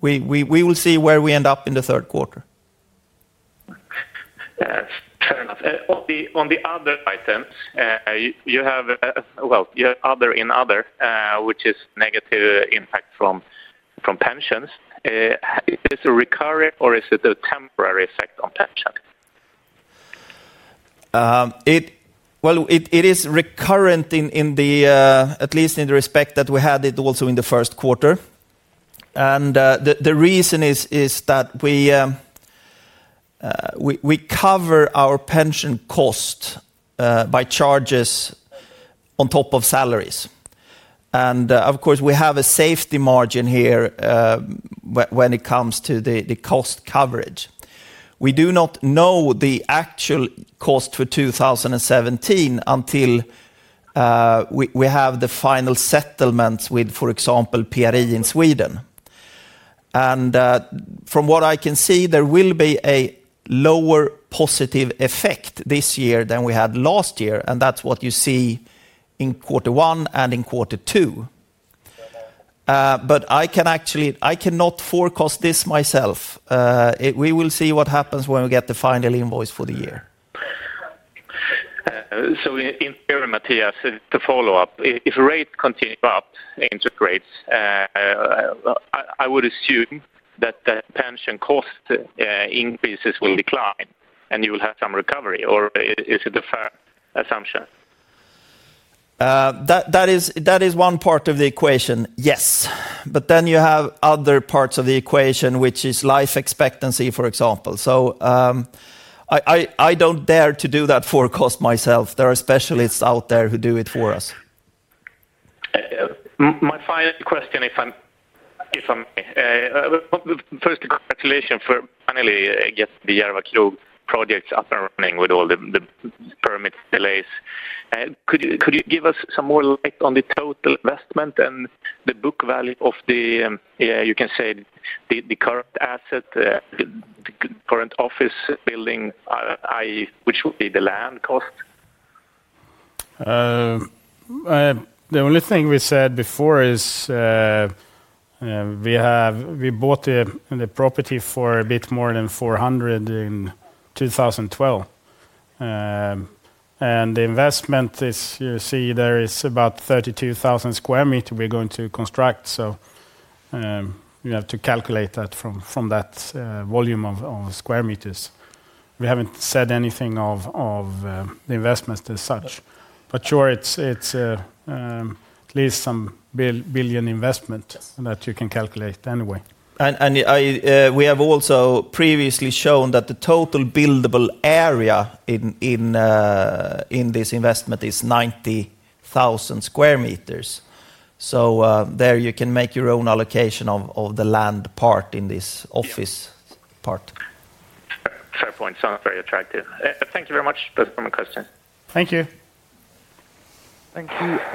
we will see where we end up in the third quarter. Fair enough. On the other items, you have, well, you have other and other, which is negative impact from pensions. Is this a recurrent or is it a temporary effect on pension? It is recurrent, at least in the respect that we had it also in the first quarter. The reason is that we cover our pension cost by charges on top of salaries. Of course, we have a safety margin here when it comes to the cost coverage. We do not know the actual cost for 2017 until we have the final settlements with, for example, PRI in Sweden. From what I can see, there will be a lower positive effect this year than we had last year, and that's what you see in quarter one and in quarter two. I can actually—I cannot forecast this myself. We will see what happens when we get the final invoice for the year. So in Mattias, to follow up, if rates continue up, interest rates, I would assume that the pension cost increases will decline, and you will have some recovery, or is it a fair assumption? That is one part of the equation, yes. But then you have other parts of the equation, which is life expectancy, for example. So, I don't dare to do that forecast myself. There are specialists out there who do it for us. My final question, if I may. Well, first, congratulations for finally, I guess, the Järva Krog projects up and running with all the permits delays. Could you give us some more light on the total investment and the book value of the current asset, the current office building, which would be the land cost? The only thing we said before is, we bought the property for a bit more than 400 million in 2012. The investment is, you see there is about 32,000 sq m we're going to construct, so you have to calculate that from that volume of square meters. We haven't said anything of the investments as such, but sure, it's at least some 1 billion investment that you can calculate anyway. And I, we have also previously shown that the total buildable area in this investment is 90,000 square meters. So, there you can make your own allocation of the land part in this office part. Fair point. Sounds very attractive. Thank you very much. That's my question. Thank you. Thank you.